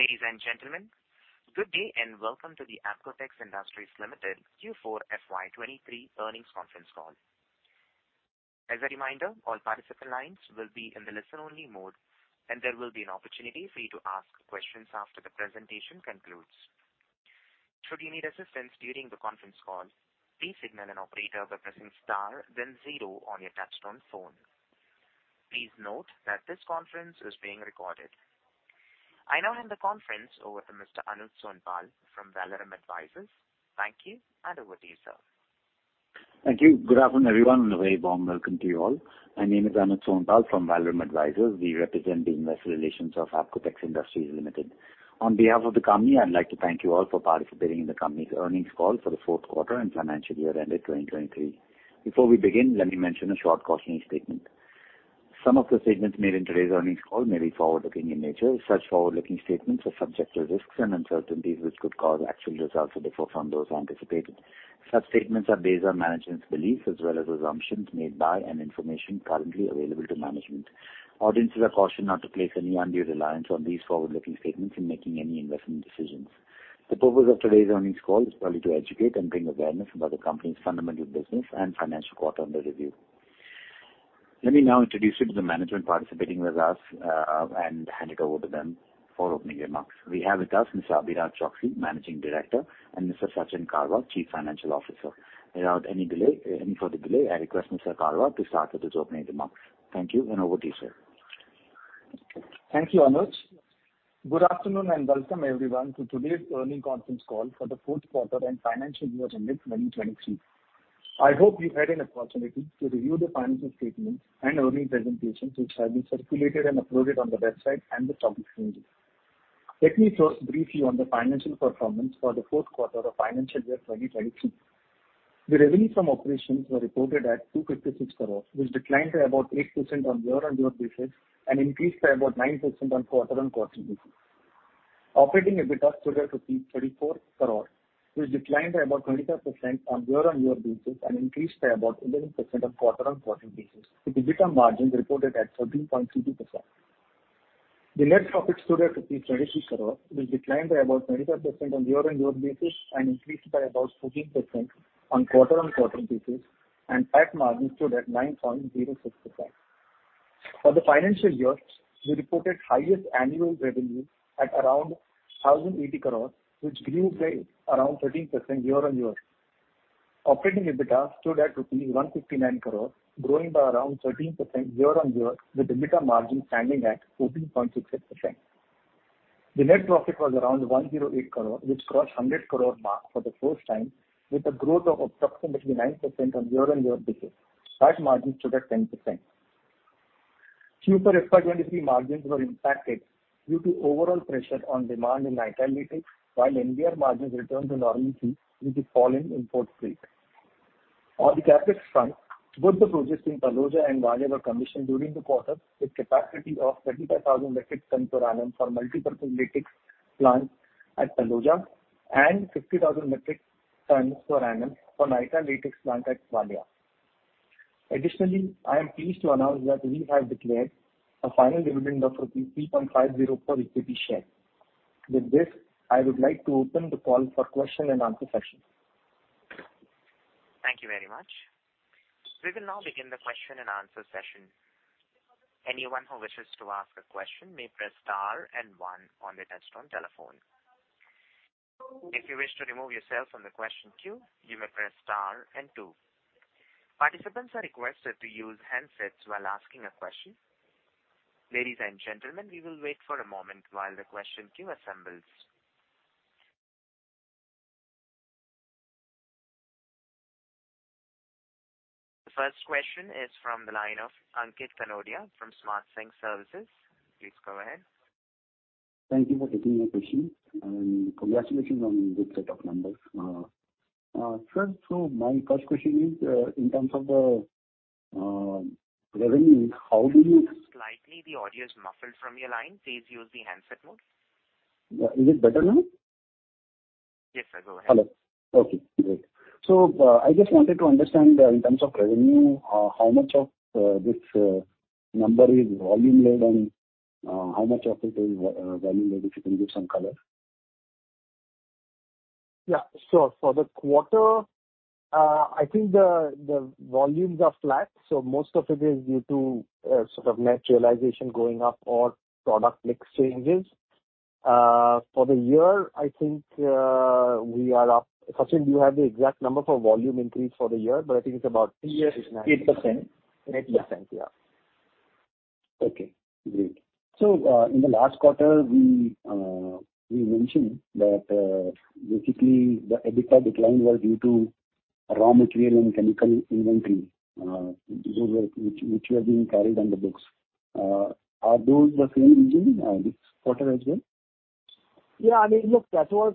Ladies and gentlemen, good day, welcome to the Apcotex Industries Limited Q4 FY 2023 Earnings Conference Call. As a reminder, all participant lines will be in the listen-only mode. There will be an opportunity for you to ask questions after the presentation concludes. Should you need assistance during the conference call, please signal an operator by pressing star then zero on your touch-tone phone. Please note that this conference is being recorded. I now hand the conference over to Mr. Anuj Sonpal from Valorem Advisors. Thank you. Over to you, sir. Thank you. Good afternoon, everyone, and a very warm welcome to you all. My name is Anuj Sonpal from Valorem Advisors. We represent the investor relations of Apcotex Industries Limited. On behalf of the company, I'd like to thank you all for participating in the company's earnings call for the fourth quarter and financial year ended 2023. Before we begin, let me mention a short cautionary statement. Some of the statements made in today's earnings call may be forward-looking in nature. Such forward-looking statements are subject to risks and uncertainties, which could cause actual results to differ from those anticipated. Such statements are based on management's beliefs as well as assumptions made by and information currently available to management. Audiences are cautioned not to place any undue reliance on these forward-looking statements in making any investment decisions. The purpose of today's earnings call is only to educate and bring awareness about the company's fundamental business and financial quarter under review. Let me now introduce you to the management participating with us, and hand it over to them for opening remarks. We have with us Mr. Abhiraj Choksey, Managing Director, and Mr. Sachin Karwa, Chief Financial Officer. Without any delay, any further delay, I request Mr. Karwa to start with his opening remarks. Thank you, and over to you, sir. Thank you, Anuj. Good afternoon and welcome everyone to today's earnings conference call for the fourth quarter and financial year ended 2023. I hope you had an opportunity to review the financial statements and earnings presentations which have been circulated and uploaded on the website and the public domain. Let me first brief you on the financial performance for the fourth quarter of financial year 2023. The revenue from operations were reported at 256 crores, which declined by about 8% on year-on-year basis and increased by about 9% on quarter-on-quarter basis. Operating EBITA stood at rupees 34 crore, which declined by about 25% on year-on-year basis and increased by about 11% on quarter-on-quarter basis. The EBITA margin reported at 13.22%. The net profit stood at INR 22 crore, which declined by about 25% on year-on-year basis and increased by about 14% on quarter-on-quarter basis, and tax margin stood at 9.06%. For the financial year, we reported highest annual revenue at around 1,080 crore, which grew by around 13% year-on-year. Operating EBITA stood at rupees 159 crore, growing by around 13% year-on-year, with EBITA margin standing at 14.66%. The net profit was around 108 crore, which crossed 100 crore mark for the first time with a growth of approximately 9% on year-on-year basis. Tax margin stood at 10%. Q4 FY23 margins were impacted due to overall pressure on demand in nitrile latex, while NBR margins returned to normalcy with the fall in import freight. On the CapEx front, both the projects in Taloja and Valia were commissioned during the quarter with capacity of 35,000 metric tons per annum for multipurpose latex plant at Taloja and 50,000 metric tons per annum for nitrile latex plant at Valia. Additionally, I am pleased to announce that we have declared a final dividend of 3.50 crore per equity share. With this, I would like to open the call for question and answer session. Thank you very much. We will now begin the question and answer session. Anyone who wishes to ask a question may press star one on their touchtone telephone. If you wish to remove yourself from the question queue, you may press star two. Participants are requested to use handsets while asking a question. Ladies and gentlemen, we will wait for a moment while the question queue assembles. The first question is from the line of Ankit Kanodia from Smart Sync Services. Please go ahead. Thank you for taking my question. Congratulations on good set of numbers. Sir, my first question is in terms of the revenue, Slightly the audio is muffled from your line. Please use the handset mode. Is it better now? Yes, sir. Go ahead. Hello. Okay, great. I just wanted to understand in terms of revenue, how much of this number is volume led and how much of it is value led, if you can give some color? Yeah, sure. For the quarter, I think the volumes are flat. Most of it is due to, sort of net realization going up or product mix changes. For the year, I think, we are up... Sachin, do you have the exact number for volume increase for the year? I think it's about three- Yes, 8%. 8%. Yeah. Great. In the last quarter, we mentioned that basically the EBITA decline was due to raw material and chemical inventory, which were being carried on the books. Are those the same reason this quarter as well? Yeah, I mean, look, for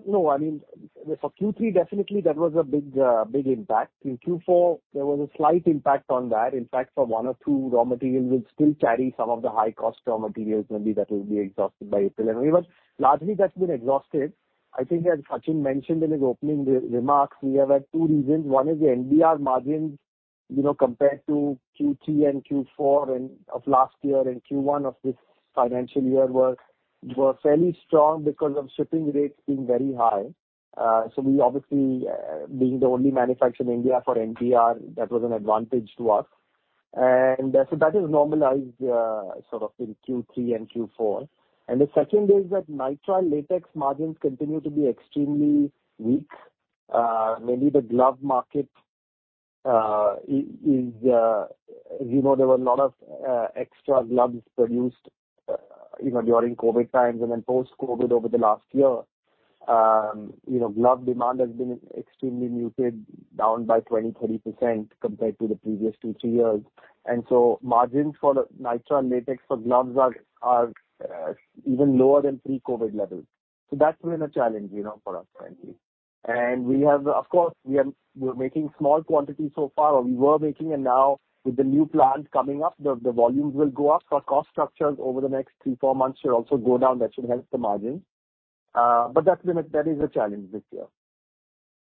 Q3, definitely that was a big impact. In Q4, there was a slight impact on that. In fact, for one or two raw materials, we still carry some of the high cost raw materials maybe that will be exhausted by April. I mean, largely that's been exhausted. I think as Sachin mentioned in his opening remarks, we have had two reasons. One is the NBR margins. You know, compared to Q3 and Q4 in, of last year and Q1 of this financial year were fairly strong because of shipping rates being very high. We obviously, being the only manufacturer in India for NBR, that was an advantage to us. That has normalized sort of in Q3 and Q4. The second is that nitrile latex margins continue to be extremely weak. Mainly the glove market, you know, there were a lot of extra gloves produced, even during COVID times and then post-COVID over the last year. You know, glove demand has been extremely muted, down by 20%-30% compared to the previous two to three years. Margins for nitrile latex for gloves are even lower than pre-COVID levels. That's been a challenge, you know, for us currently. We have, of course, we're making small quantities so far, or we were making, and now with the new plant coming up, the volumes will go up. Our cost structures over the next three to four months should also go down. That should help the margins. That is a challenge this year.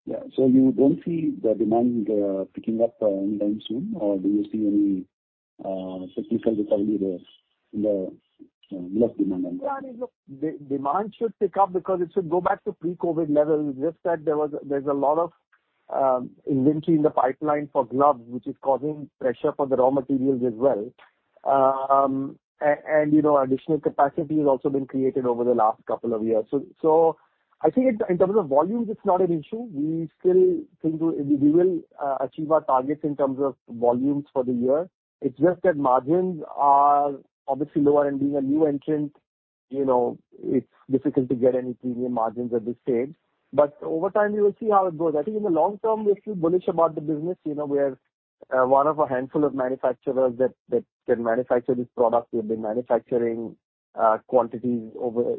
Yeah. You don't see the demand picking up anytime soon? Or do you see any significant recovery there in the glove demand? Yeah, I mean, look, demand should pick up because it should go back to pre-COVID levels. Just that there's a lot of inventory in the pipeline for gloves, which is causing pressure for the raw materials as well. You know, additional capacity has also been created over the last couple of years. I think in terms of volumes, it's not an issue. We still think we will achieve our targets in terms of volumes for the year. It's just that margins are obviously lower. Being a new entrant, you know, it's difficult to get any premium margins at this stage. Over time you will see how it goes. I think in the long term we're still bullish about the business. You know, we're one of a handful of manufacturers that can manufacture this product. We've been manufacturing quantities over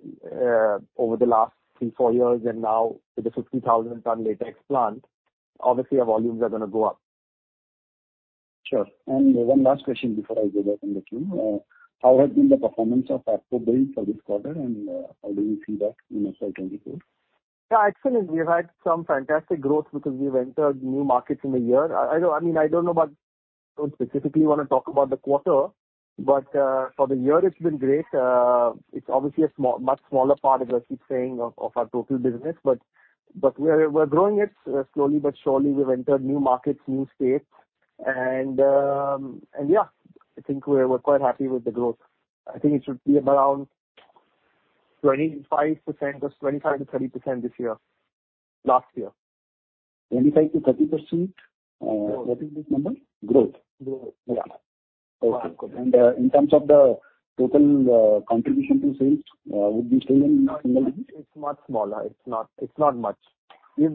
the last three, four years, and now with the 50,000 ton latex plant, obviously our volumes are gonna go up. Sure. One last question before I give it back to the queue. How has been the performance of ApcoBuild for this quarter, and how do you see that in FY 2024? Yeah, excellent. We've had some fantastic growth because we've entered new markets in the year. I mean, I don't specifically wanna talk about the quarter, for the year it's been great. It's obviously a much smaller part, as I keep saying, of our total business. We're growing it slowly but surely. We've entered new markets, new states and yeah, I think we're quite happy with the growth. I think it should be around 25% or 25%-30% this year. Last year. 25%-30%? Growth. What is this number? Growth. Growth, yeah. Okay. In terms of the total contribution to sales, would be. No, it's much smaller. It's not much. We are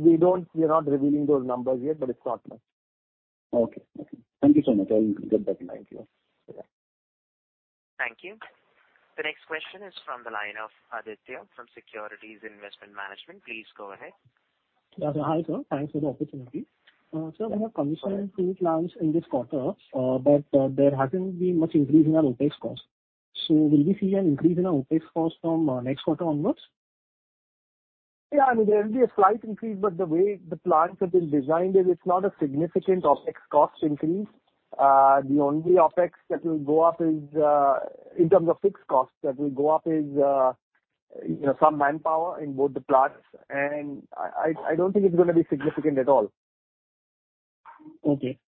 not revealing those numbers yet, but it's not much. Okay. Okay. Thank you so much. I'll give back the line here. Yeah. Thank you. The next question is from the line of Aditya from Securities Investment Management. Please go ahead. Yeah. Hi, sir. Thanks for the opportunity. Sir, we have commissioned two plants in this quarter, but there hasn't been much increase in our OpEx costs. Will we see an increase in our OpEx costs from next quarter onwards? Yeah. I mean, there will be a slight increase, but the way the plant has been designed is it's not a significant OpEx cost increase. The only OpEx that will go up is, in terms of fixed costs that will go up is, you know, some manpower in both the plants and I don't think it's gonna be significant at all. Okay.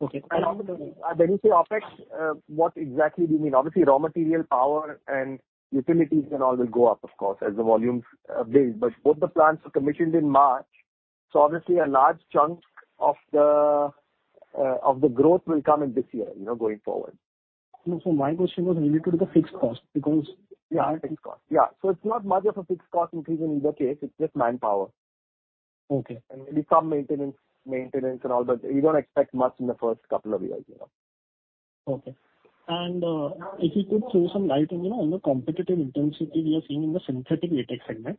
Okay. When you say OpEx, what exactly do you mean? Obviously raw material, power and utilities and all will go up of course, as the volumes build. Both the plants were commissioned in March, so obviously a large chunk of the growth will come in this year, you know, going forward. No, my question was related to the fixed cost because. Yeah. It's not much of a fixed cost increase in either case. It's just manpower. Okay. Maybe some maintenance and all, but you don't expect much in the first couple of years, you know. Okay. If you could throw some light on, you know, on the competitive intensity we are seeing in the synthetic latex segment.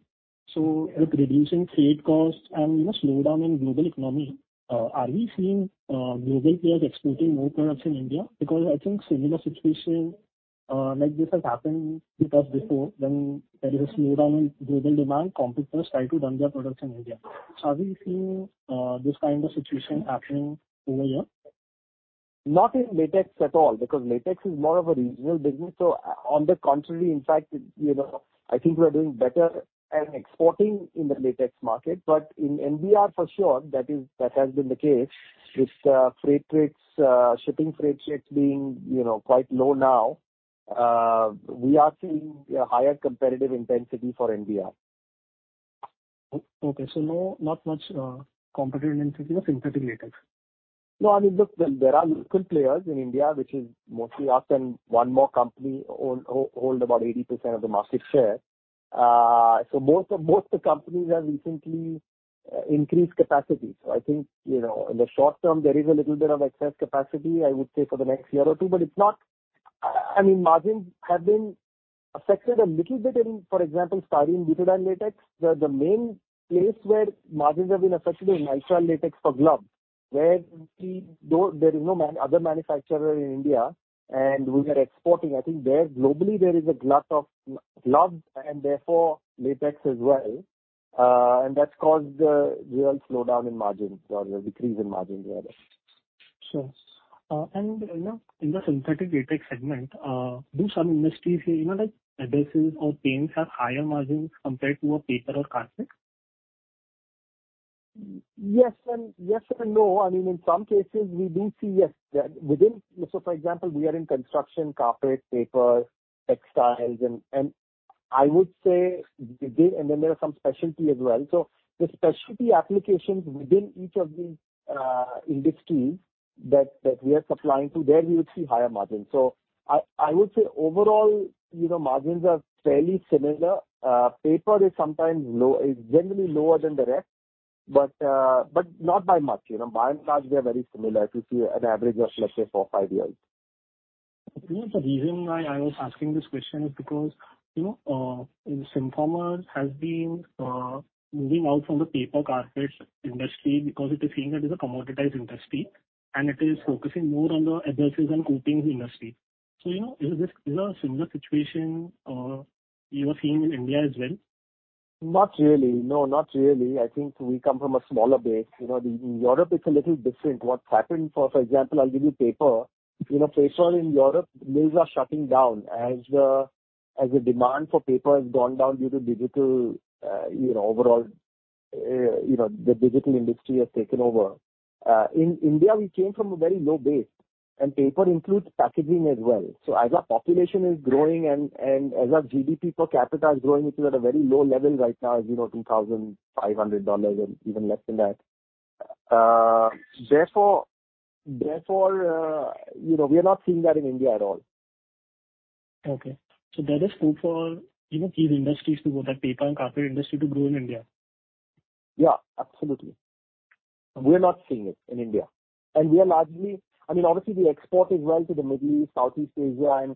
With reducing freight costs and, you know, slowdown in global economy, are we seeing global players exporting more products in India? Because I think similar situation like this has happened in the past before when there is a slowdown in global demand, competitors try to dump their products in India. Are we seeing this kind of situation happening over here? Not in latex at all, because latex is more of a regional business. On the contrary, in fact, you know, I think we're doing better at exporting in the latex market. In NBR for sure, that has been the case with freight rates, shipping freight rates being, you know, quite low now. We are seeing a higher competitive intensity for NBR. Okay. No, not much competitive intensity for synthetic latex. I mean, look, there are local players in India, which is mostly us and one more company hold about 80% of the market share. Most of, most the companies have recently increased capacity. I think, you know, in the short term there is a little bit of excess capacity, I would say for the next year or two. I mean, margins have been affected a little bit in, for example, styrene butadiene latex. The main place where margins have been affected is nitrile latex for gloves, where there is no other manufacturer in India and we are exporting. I think there globally there is a glut of gloves and therefore latex as well. That's caused the real slowdown in margins or the decrease in margins rather. Sure. You know, in the synthetic latex segment, do some industries, you know, like adhesives or paints have higher margins compared to a paper or carpet? Yes and no. I mean, in some cases we do see, yes, that within, for example, we are in construction, carpet, paper, textiles, and I would say, and then there are some specialty as well. The specialty applications within each of these industries that we are supplying to, there we would see higher margins. I would say overall, you know, margins are fairly similar. Paper is sometimes low. It's generally lower than the rest, but not by much. You know, by and large, they're very similar to see an average of, let's say four, five years. The reason why I was asking this question is because, you know, Synthomer has been moving out from the paper carpet industry because it is seeing that as a commoditized industry and it is focusing more on the adhesives and coatings industry. You know, is this is a similar situation you are seeing in India as well? Not really. No, not really. I think we come from a smaller base. You know, in Europe it's a little different. What's happened for example, I'll give you paper. You know, first one in Europe, mills are shutting down as the demand for paper has gone down due to digital, you know, overall, you know, the digital industry has taken over. In India, we came from a very low base, and paper includes packaging as well. As our population is growing and as our GDP per capita is growing, which is at a very low level right now, you know, $2,500 or even less than that. Therefore, you know, we are not seeing that in India at all. Okay. There is scope for, you know, these industries to grow, that paper and carpet industry to grow in India. Yeah, absolutely. We're not seeing it in India. I mean, obviously we export as well to the Middle East, Southeast Asia, and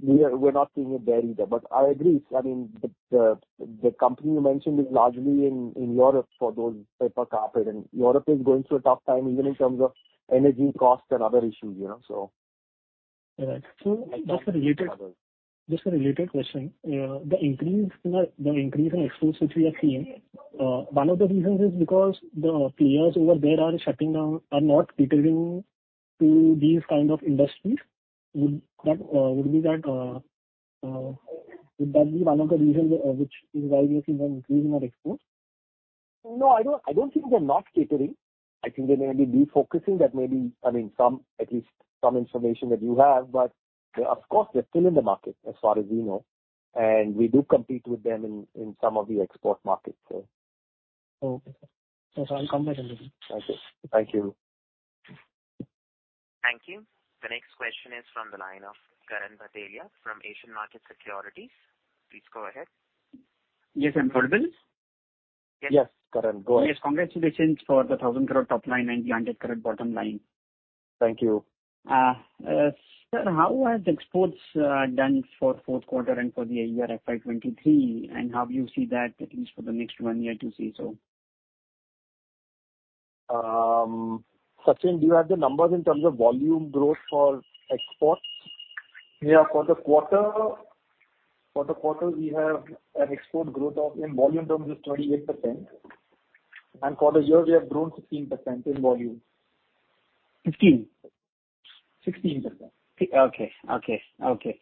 we're not seeing it there either. I agree. I mean, the company you mentioned is largely in Europe for those paper carpet, and Europe is going through a tough time even in terms of energy costs and other issues, you know. All right. Just a related question. The increase in exports which we are seeing, one of the reasons is because the players over there are shutting down are not catering to these kind of industries. Would that be one of the reasons which is why we are seeing an increase in our exports? No, I don't think they're not catering. I think they may be de-focusing. That may be, I mean, at least some information that you have. Of course, they're still in the market as far as we know, and we do compete with them in some of the export markets. Okay. I'll come back on this one. Okay. Thank you. Thank you. The next question is from the line of Karan Bhatelia from Asian Markets Securities. Please go ahead. Yes, I'm audible? Yes, Karan, go ahead. Yes. Congratulations for the 1,000 crore top line and the 100 crore bottom line. Thank you. Sir, how has exports done for fourth quarter and for the year FY 2023, and how do you see that at least for the next one year to see so? Sachin, do you have the numbers in terms of volume growth for exports? Yeah, for the quarter, we have an export growth of in volume terms is 28%. For the year, we have grown 16% in volume. Fifteen? 16%. Okay. Okay. Okay.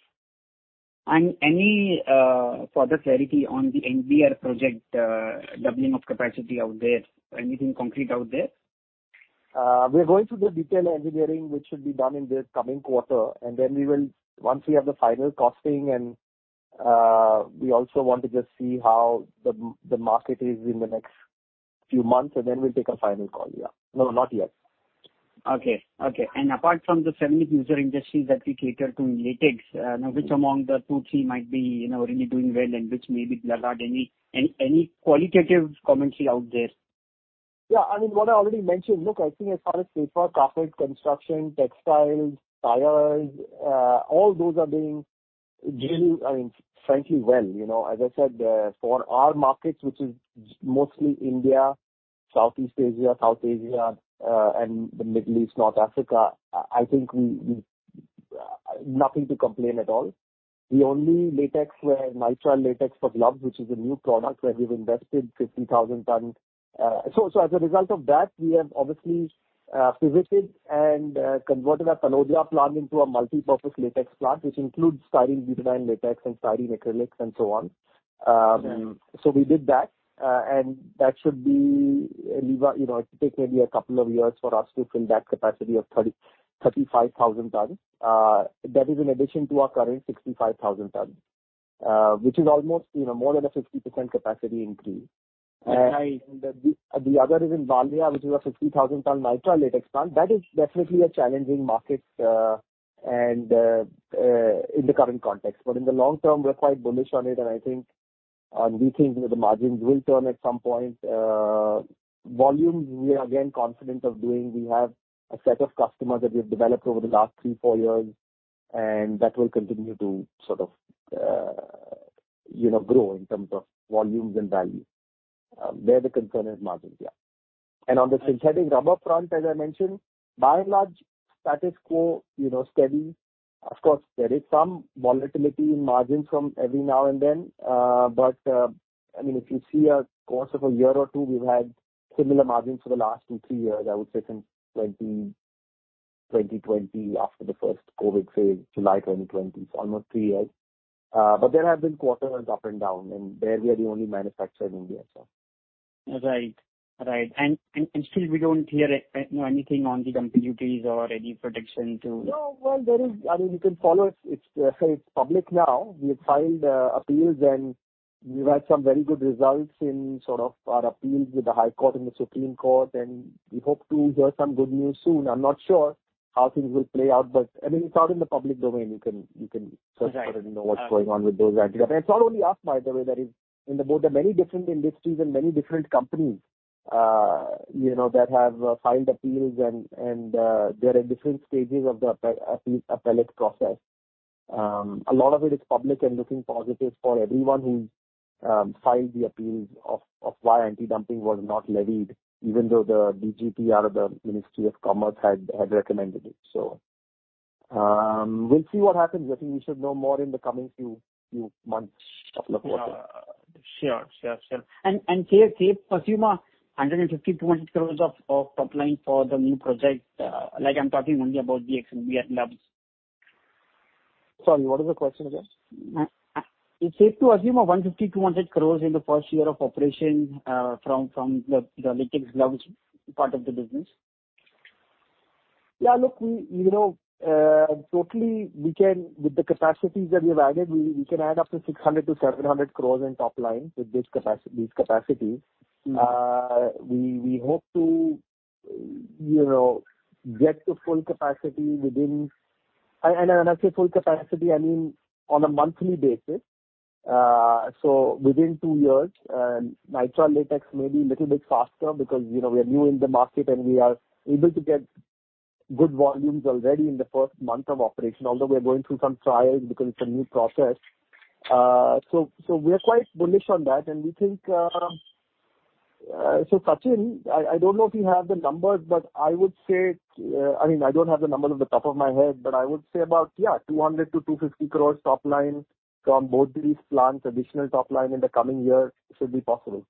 Any further clarity on the NBR project, doubling of capacity out there? Anything concrete out there? We're going through the detail engineering, which should be done in the coming quarter. Once we have the final costing and we also want to just see how the market is in the next few months, and then we'll take a final call, yeah. No, not yet. Okay. Okay. Apart from the seven user industries that we cater to in latex, which among the two, three might be, you know, really doing well and which may be blotted? Any, any qualitative commentary out there? I mean, what I already mentioned. Look, I think as far as paper, carpet, construction, textiles, tires, all those are doing really, I mean, frankly well, you know. As I said, for our markets, which is mostly India, Southeast Asia, South Asia, and the Middle East, North Africa, I think nothing to complain at all. The only latex where nitrile latex for gloves, which is a new product where we've invested 50,000 tons. As a result of that we have obviously pivoted and converted our Taloja plant into a multipurpose latex plant, which includes styrene-butadiene latex and Styrene Acrylics and so on. We did that. And that should be a lever, you know, it could take maybe a couple of years for us to fill that capacity of 30,000-35,000 tons. That is in addition to our current 65,000 ton, which is almost, you know, more than a 60% capacity increase. Right. The other is in Valia, which is a 50,000 ton nitrile latex plant. That is definitely a challenging market, and in the current context. In the long term, we're quite bullish on it and I think, we think that the margins will turn at some point. Volume we are again confident of doing. We have a set of customers that we have developed over the last three, four years, and that will continue to sort of, you know, grow in terms of volumes and value. There the concern is margins. On the synthetic rubber front, as I mentioned, by and large, status quo, you know, steady. Of course, there is some volatility in margins from every now and then. I mean, if you see a course of a year or two, we've had similar margins for the last two, three years, I would say since 2020 after the first COVID phase, July 2020. Almost three years. There have been quarters up and down. There we are the only manufacturer in India, so. Right. Right. Still we don't hear anything on the dumping duties or any prediction. No. Well, I mean, you can follow us. It's public now. We have filed appeals. We've had some very good results in sort of our appeals with the High Court and the Supreme Court. We hope to hear some good news soon. I'm not sure how things will play out, I mean, it's out in the public domain. You can search for it. Right. Know what's going on with those. It's not only us, by the way, that is in the boat. There are many different industries and many different companies, you know, that have filed appeals and, they're in different stages of the appellate process. A lot of it is public and looking positive for everyone who filed the appeals of why anti-dumping was not levied, even though the DGTR, the Ministry of Commerce had recommended it. We'll see what happens. I think we should know more in the coming few months of the quarter. Sure, sure. Safe to assume 150 crore-200 crore of top line for the new project? Like I'm talking only about the XNBR gloves. Sorry, what is the question again? Is safe to assume 150 crores-200 crores in the first year of operation, from the latex gloves part of the business? Yeah. Look, we, you know, totally we can with the capacities that we have added, we can add up to 600 crores-700 crores in top line with these capacities. Mm-hmm. We hope to, you know, get to full capacity within. When I say full capacity, I mean on a monthly basis. Within two years, and nitrile latex may be little bit faster because, you know, we are new in the market and we are able to get good volumes already in the first month of operation, although we are going through some trials because it's a new process. We are quite bullish on that. We think Sachin, I don't know if you have the numbers, but I would say, I mean, I don't have the numbers off the top of my head, but I would say about, yeah, 200 crore-250 crore top line from both these plants, additional top line in the coming year should be possible.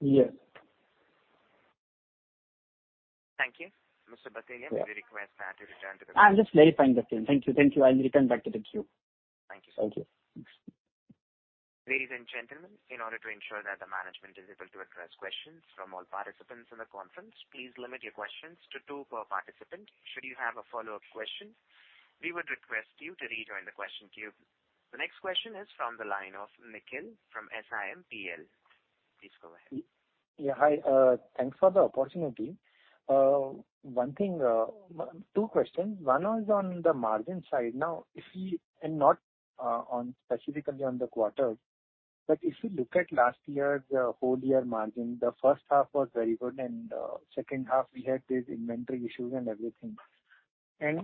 Yes. Thank you. Mr. Bhatia, Yeah. we request that you return to the queue. I'm just verifying the same. Thank you. Thank you. I'll return back to the queue. Thank you. Thank you. Ladies and gentlemen, in order to ensure that the management is able to address questions from all participants in the conference, please limit your questions to two per participant. Should you have a follow-up question, we would request you to rejoin the question queue. The next question is from the line of Nikhil from SIMPL. Please go ahead. Yeah. Hi, thanks for the opportunity. One thing, two questions. One was on the margin side. Now if we not specifically on the quarter, but if you look at last year's whole year margin, the first half was very good and second half we had these inventory issues and everything.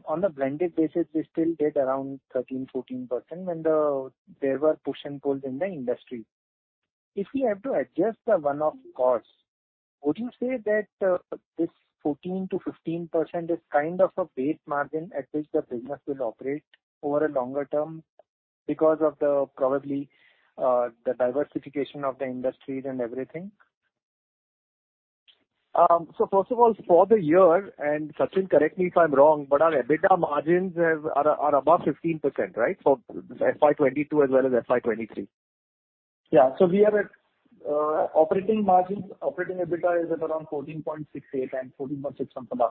On a blended basis, we still did around 13%, 14% when there were push and pulls in the industry. If we have to adjust the one-off costs, would you say that this 14%-15% is kind of a base margin at which the business will operate over a longer term because of the probably the diversification of the industries and everything? First of all, for the year, and Sachin, correct me if I'm wrong, but our EBITDA margins are above 15%, right? For FY 2022 as well as FY 2023. Yeah. We are at operating margins. Operating EBITDA is at around 14.68% and 14.6 something%.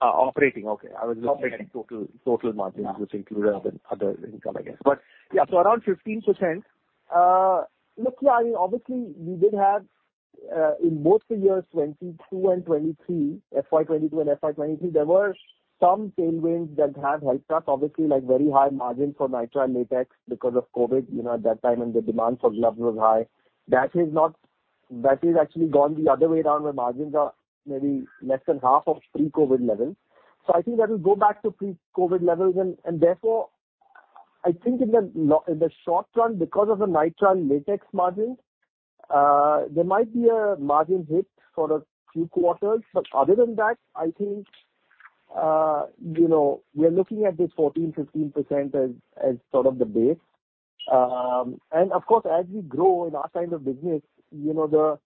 Operating. Okay. Operating. I was just looking at total margins, which include other income, I guess. Yeah, around 15%. Look, yeah, I mean, obviously we did have in both the years, 2022 and 2023, FY 2022 and FY 2023, there were some tailwinds that have helped us, obviously, like very high margin for nitrile latex because of COVID, you know, at that time when the demand for gloves was high. That has actually gone the other way around, where margins are maybe less than half of pre-COVID levels. I think that will go back to pre-COVID levels and therefore, I think in the short term, because of the nitrile latex margins, there might be a margin hit for a few quarters. Other than that, I think, you know, we are looking at this 14%-15% as sort of the base. Of course, as we grow in our kind of business, you know,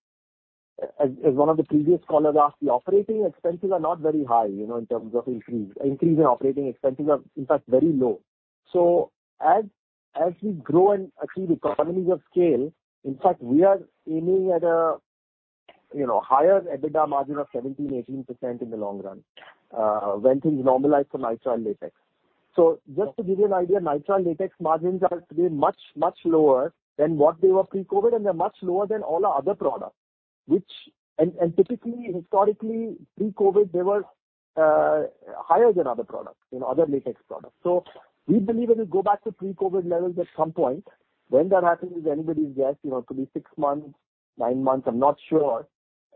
as one of the previous callers asked, the operating expenses are not very high, you know, in terms of increase. Increase in operating expenses are in fact very low. As we grow and achieve economies of scale, in fact, we are aiming at a, you know, higher EBITDA margin of 17%-18% in the long run, when things normalize for nitrile latex. Just to give you an idea, nitrile latex margins are today much lower than what they were pre-COVID, and they're much lower than all our other products, which... Typically, historically pre-COVID, they were higher than other products, you know, other latex products. We believe it will go back to pre-COVID levels at some point. When that happens is anybody's guess. You know, it could be six months, nine months, I'm not sure.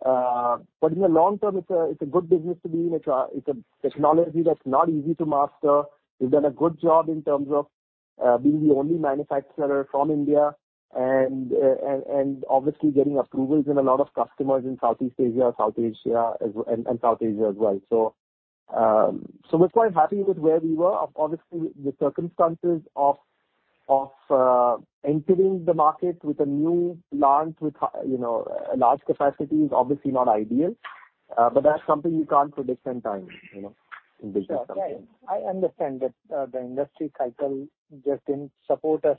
In the long term it's a, it's a good business to be in. It's a, it's a technology that's not easy to master. We've done a good job in terms of being the only manufacturer from India and obviously getting approvals and a lot of customers in Southeast Asia, South Asia as well. We're quite happy with where we were. Obviously the circumstances of entering the market with a new plant with you know, large capacity is obviously not ideal, but that's something you can't predict in time, you know, in business sometimes. Sure. I understand that the industry cycle just didn't support us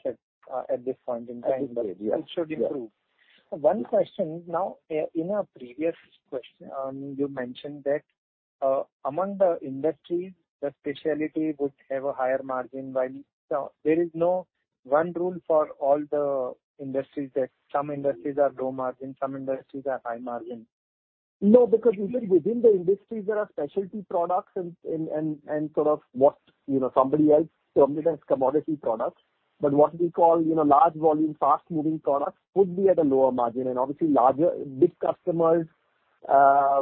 at this point in time. At this stage, yeah. It should improve. One question. Now, in our previous question, you mentioned that, among the industries, the specialty would have a higher margin while... There is no one rule for all the industries that some industries are low margin, some industries are high margin. Because even within the industries there are specialty products and sort of what, you know, somebody else termed it as commodity products. What we call, you know, large volume, fast moving products would be at a lower margin. Obviously larger, big customers,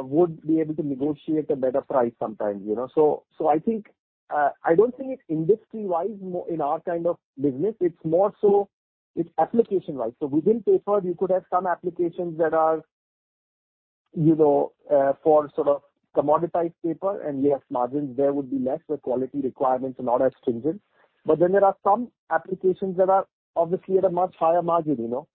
would be able to negotiate a better price sometimes, you know. I think, I don't think it's industry-wise in our kind of business, it's more so it's application-wise. Within paper you could have some applications that are, you know, for sort of commoditized paper and less margins, there would be less, where quality requirements are not as stringent. There are some applications that are obviously at a much higher margin, you know.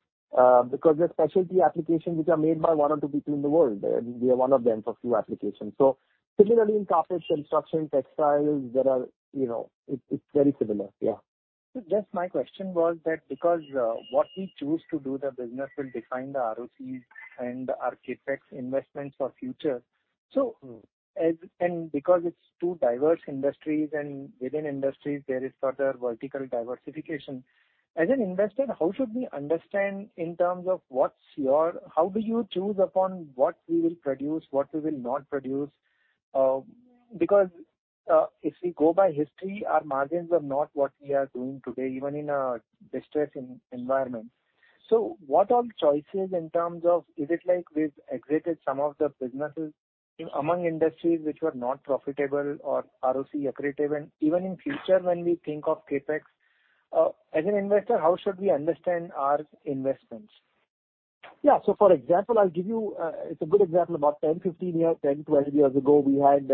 Because they're specialty applications which are made by one or two people in the world. We are one of them for few applications. Similarly in carpets, construction, textiles, there are, you know... It's, it's very similar. Yeah. Just my question was that because, what we choose to do the business will define the ROCE and our CapEx investments for future. Mm-hmm. As and because it's two diverse industries and within industries there is further vertical diversification. As an investor, how should we understand in terms of what's your How do you choose upon what we will produce, what we will not produce? Because, if we go by history, our margins are not what we are doing today, even in a distressed environment. What are the choices in terms of is it like we've exited some of the businesses among industries which were not profitable or ROCE accretive? Even in future when we think of CapEx, as an investor, how should we understand our investments? Yeah. For example I'll give you, it's a good example. About 10, 15 year, 10, 20 years ago we had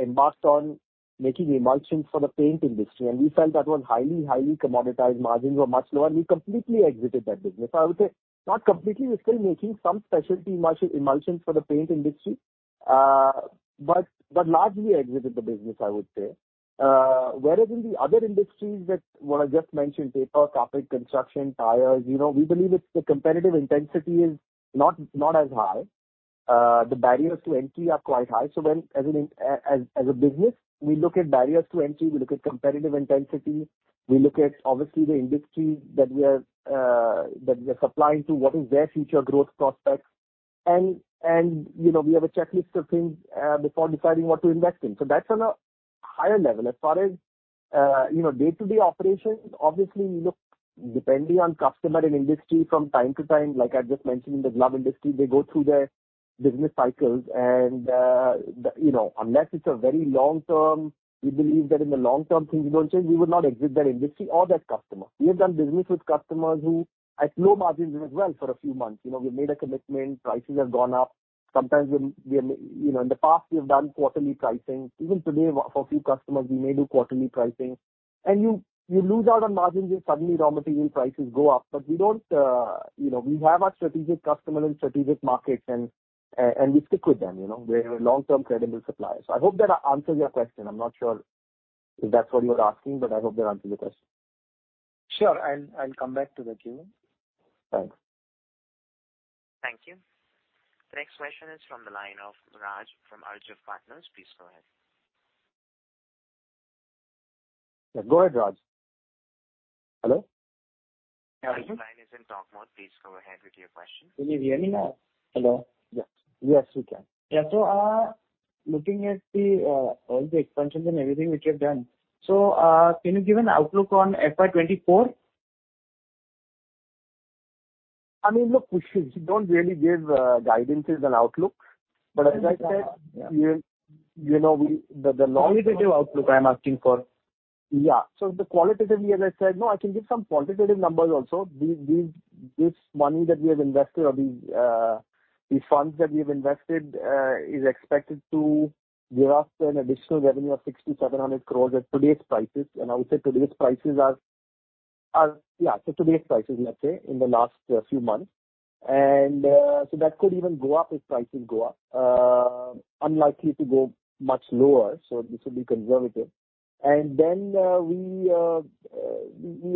embarked on making emulsions for the paint industry and we felt that was highly commoditized. Margins were much lower and we completely exited that business. I would say not completely, we're still making some specialty emulsions for the paint industry. But largely exited the business I would say. Whereas in the other industries that what I just mentioned, paper, carpet, construction, tires, you know, we believe it's the competitive intensity is not as high. The barriers to entry are quite high. When as a business, we look at barriers to entry, we look at competitive intensity, we look at obviously the industry that we are supplying to, what is their future growth prospects. You know, we have a checklist of things before deciding what to invest in. That's on a higher level. As far as, you know, day-to-day operations, obviously, look, depending on customer and industry from time to time, like I just mentioned in the glove industry, they go through their business cycles. You know, unless it's a very long term, we believe that in the long term things will change, we would not exit that industry or that customer. We have done business with customers who at low margins we went well for a few months. You know, we made a commitment, prices have gone up. Sometimes we, you know, in the past we've done quarterly pricing. Even today for a few customers we may do quarterly pricing. You, you lose out on margins if suddenly raw material prices go up. We don't. You know, we have our strategic customer and strategic markets and we stick with them, you know. We're a long-term credible supplier. I hope that answers your question. I'm not sure if that's what you are asking, but I hope that answers your question. Sure. I'll come back to the queue. Thanks. Thank you. The next question is from the line of Raj from Archive Partners. Please go ahead. Yeah, go ahead, Raj. Hello? Can you hear me? Raj, your line is in talk mode. Please go ahead with your question. Can you hear me now? Hello? Yes. Yes, we can. Yeah. Looking at the, all the expansions and everything which you have done, so, can you give an outlook on FY 2024? I mean, look, we don't really give guidances on outlook. As I said. Yeah. You, you know, we... The, the long- Qualitative outlook I'm asking for. Yeah. The qualitative, as I said. No, I can give some quantitative numbers also. This money that we have invested or these funds that we have invested is expected to give us an additional revenue of 6,700 crores at today's prices. I would say today's prices are. Yeah. Today's prices, let's say in the last few months. That could even go up if prices go up. Unlikely to go much lower, so this will be conservative. We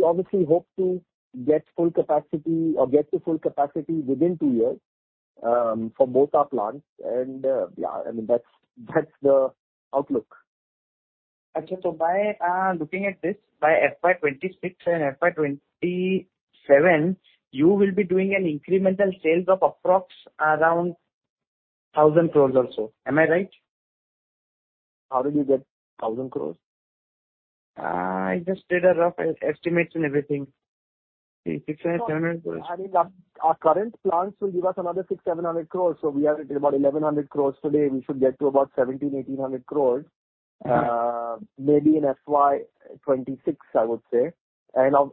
obviously hope to get full capacity or get to full capacity within two years for both our plants. Yeah, I mean, that's the outlook. Okay. By looking at this, by FY 2026 and FY 2027, you will be doing an incremental sales of approx around 1,000 crores or so. Am I right? How did you get 1,000 crores? I just did a rough estimates and everything. Six hundred, seven hundred crores. I mean, our current plants will give us another 600 crores-700 crores. We are at about 1,100 crores today. We should get to about 1,700 crores-1,800 crores. Mm-hmm. maybe in FY 2026, I would say.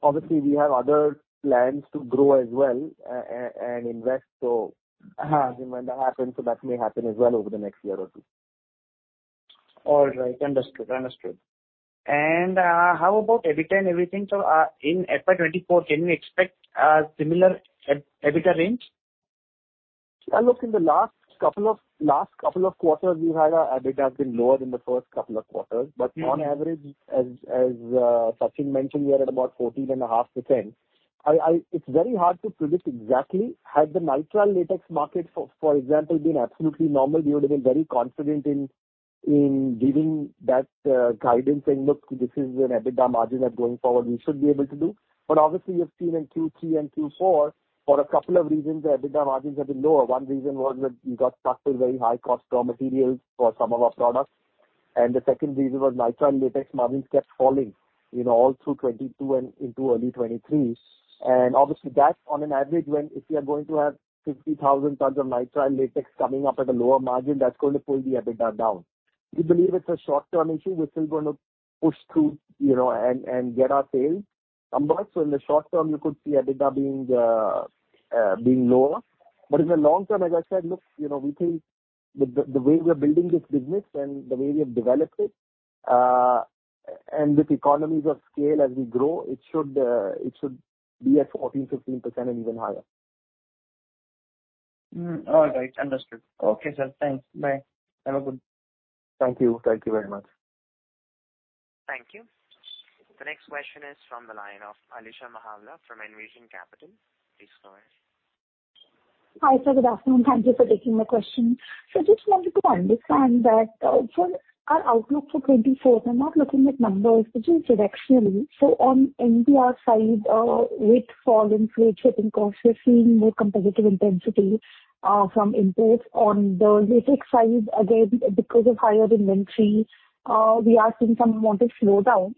Obviously we have other plans to grow as well and invest. Uh-huh. When that happens, that may happen as well over the next year or two. All right. Understood. Understood. How about EBITDA and everything? In FY 2024, can we expect a similar EBITDA range? Yeah, look, in the last couple of quarters, we've had our EBITDA has been lower than the first couple of quarters. Mm-hmm. On average, as Sachin mentioned, we are at about 14.5%. It's very hard to predict exactly. Had the nitrile latex market, for example, been absolutely normal, we would have been very confident in giving that guidance and look, this is an EBITDA margin that going forward we should be able to do. Obviously you've seen in Q3 and Q4, for a couple of reasons, the EBITDA margins have been lower. One reason was that we got stuck with very high cost raw materials for some of our products. The second reason was nitrile latex margins kept falling, you know, all through 2022 and into early 2023. Obviously that's on an average when if you are going to have 60,000 tons of nitrile latex coming up at a lower margin, that's going to pull the EBITDA down. We believe it's a short-term issue. We're still gonna push through, you know, and get our sales numbers. In the short term, you could see EBITDA being lower. In the long term, as I said, look, you know, we think the way we are building this business and the way we have developed it, and with economies of scale as we grow, it should be at 14%-15% and even higher. All right. Understood. Okay, sir. Thanks. Bye. Have a good one. Thank you. Thank you very much. Thank you. The next question is from the line of Alisha Mahawla from Envision Capital. Please go ahead. Hi, sir. Good afternoon. Thank you for taking my question. I just wanted to understand that, for our outlook for 2024, we're not looking at numbers, but just directionally. On NBR side, with fall in freight shipping costs, we're seeing more competitive intensity from imports. On the latex side, again, because of higher inventory, we are seeing some amount of slowdown.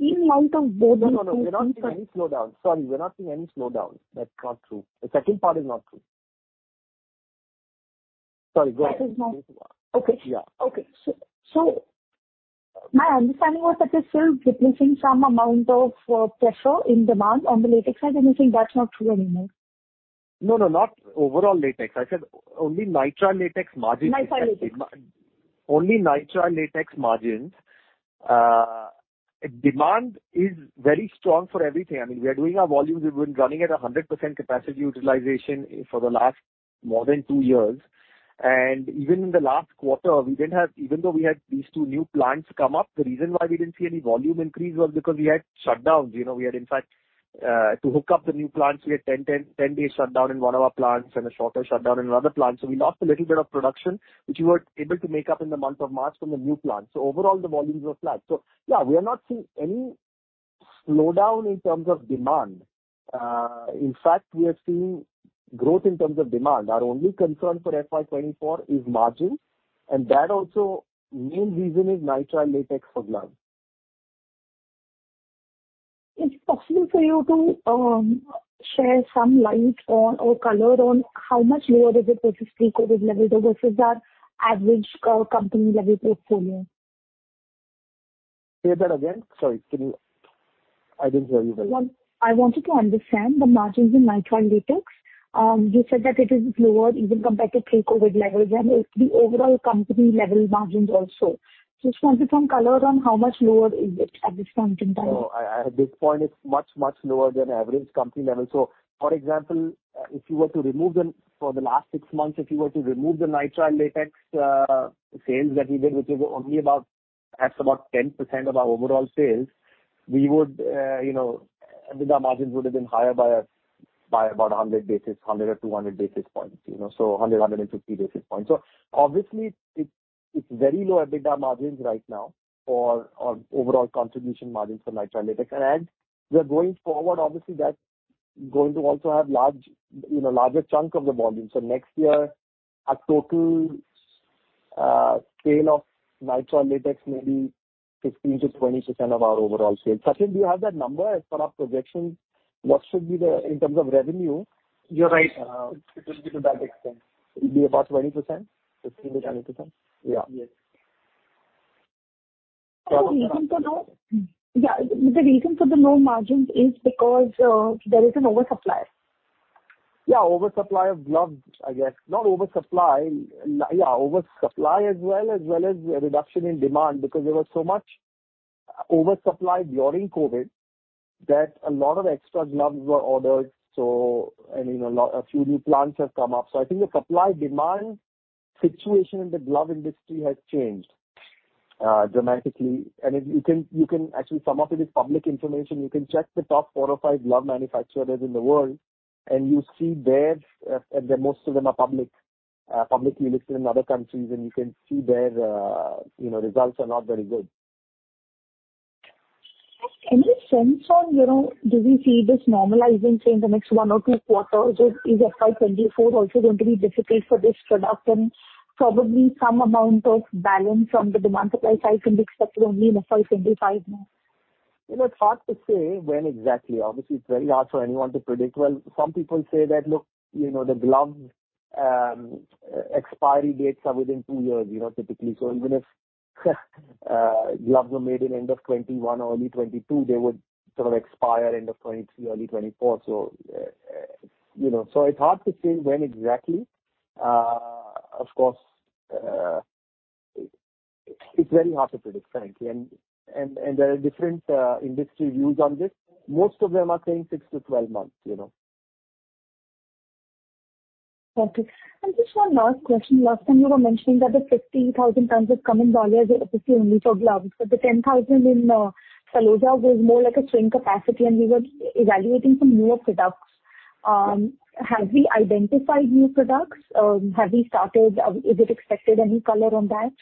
In light of both these two things. No, no. We're not seeing any slowdown. Sorry, we're not seeing any slowdown. That's not true. The second part is not true. Sorry, go ahead. That is not... Please go on. Okay. Yeah. Okay. My understanding was that you're still witnessing some amount of pressure in demand on the latex side, and you're saying that's not true anymore? No, no, not overall latex. I said only nitrile latex margins. nitrile latex. Only nitrile latex margins. Demand is very strong for everything. I mean, we are doing our volumes. We've been running at 100% capacity utilization for the last more than two years. Even in the last quarter, we didn't have. Even though we had these two new plants come up, the reason why we didn't see any volume increase was because we had shutdowns. You know, we had in fact, to hook up the new plants, we had 10 days shutdown in one of our plants and a shorter shutdown in another plant. We lost a little bit of production, which we were able to make up in the month of March from the new plant. Overall the volumes were flat. Yeah, we are not seeing any slowdown in terms of demand. In fact, we are seeing growth in terms of demand. Our only concern for FY 2024 is margins, and that also main reason is nitrile latex segment. Is it possible for you to share some light on or color on how much lower is it versus pre-COVID levels or versus our average company level portfolio? Say that again. Sorry. Can you... I didn't hear you well. One, I wanted to understand the margins in nitrile latex. You said that it is lower even compared to pre-COVID levels and the overall company level margins also. Just wanted some color on how much lower is it at this point in time. At this point it's much, much lower than average company level. For example, if you were to remove for the last six months, if you were to remove the nitrile latex sales that we did, which is only about, that's about 10% of our overall sales, we would, you know, EBITDA margins would have been higher by about 100 basis, 100 or 200 basis points, you know. 100-150 basis points. Obviously it's very low EBITDA margins right now for our overall contribution margins for nitrile latex. As we are going forward, obviously that's going to also have large, you know, larger chunk of the volume. Next year, our total scale of nitrile latex may be 15%-20% of our overall sales. Sachin, do you have that number as per our projections? What should be the, in terms of revenue? You're right. Uh. It will be to that extent. It'll be about 20%? 15%-20%? Yeah. Yes. So- Yeah, the reason for the low margins is because there is an oversupply. Yeah, oversupply of gloves, I guess. Not oversupply. Yeah, oversupply as well, as well as a reduction in demand because there was so much oversupply during COVID that a lot of extra gloves were ordered. you know, a few new plants have come up. I think the supply demand situation in the glove industry has changed dramatically. If you can actually some of it is public information. You can check the top four or five glove manufacturers in the world, and you see their, and most of them are public, publicly listed in other countries, and you can see their, you know, results are not very good. Any sense on, you know, do we see this normalizing say in the next one or two quarters? Or is FY 2024 also going to be difficult for this product and probably some amount of balance from the demand supply side can be expected only in FY 2025 now? You know, it's hard to say when exactly. Obviously, it's very hard for anyone to predict. Well, some people say that, look, you know, the gloves, expiry dates are within two years, you know, typically. Even if gloves are made in end of 2021 or early 2022, they would sort of expire end of 2022, early 2024. You know, it's hard to say when exactly. Of course, it's very hard to predict, frankly. There are different industry views on this. Most of them are saying six to 12 months, you know. Okay. Just one last question. Last time you were mentioning that the 50,000 tons is coming online, but it's only for gloves. The 10,000 in Taloja was more like a swing capacity, and we were evaluating some newer products. Have we identified new products? Have we started? Is it expected any color on that?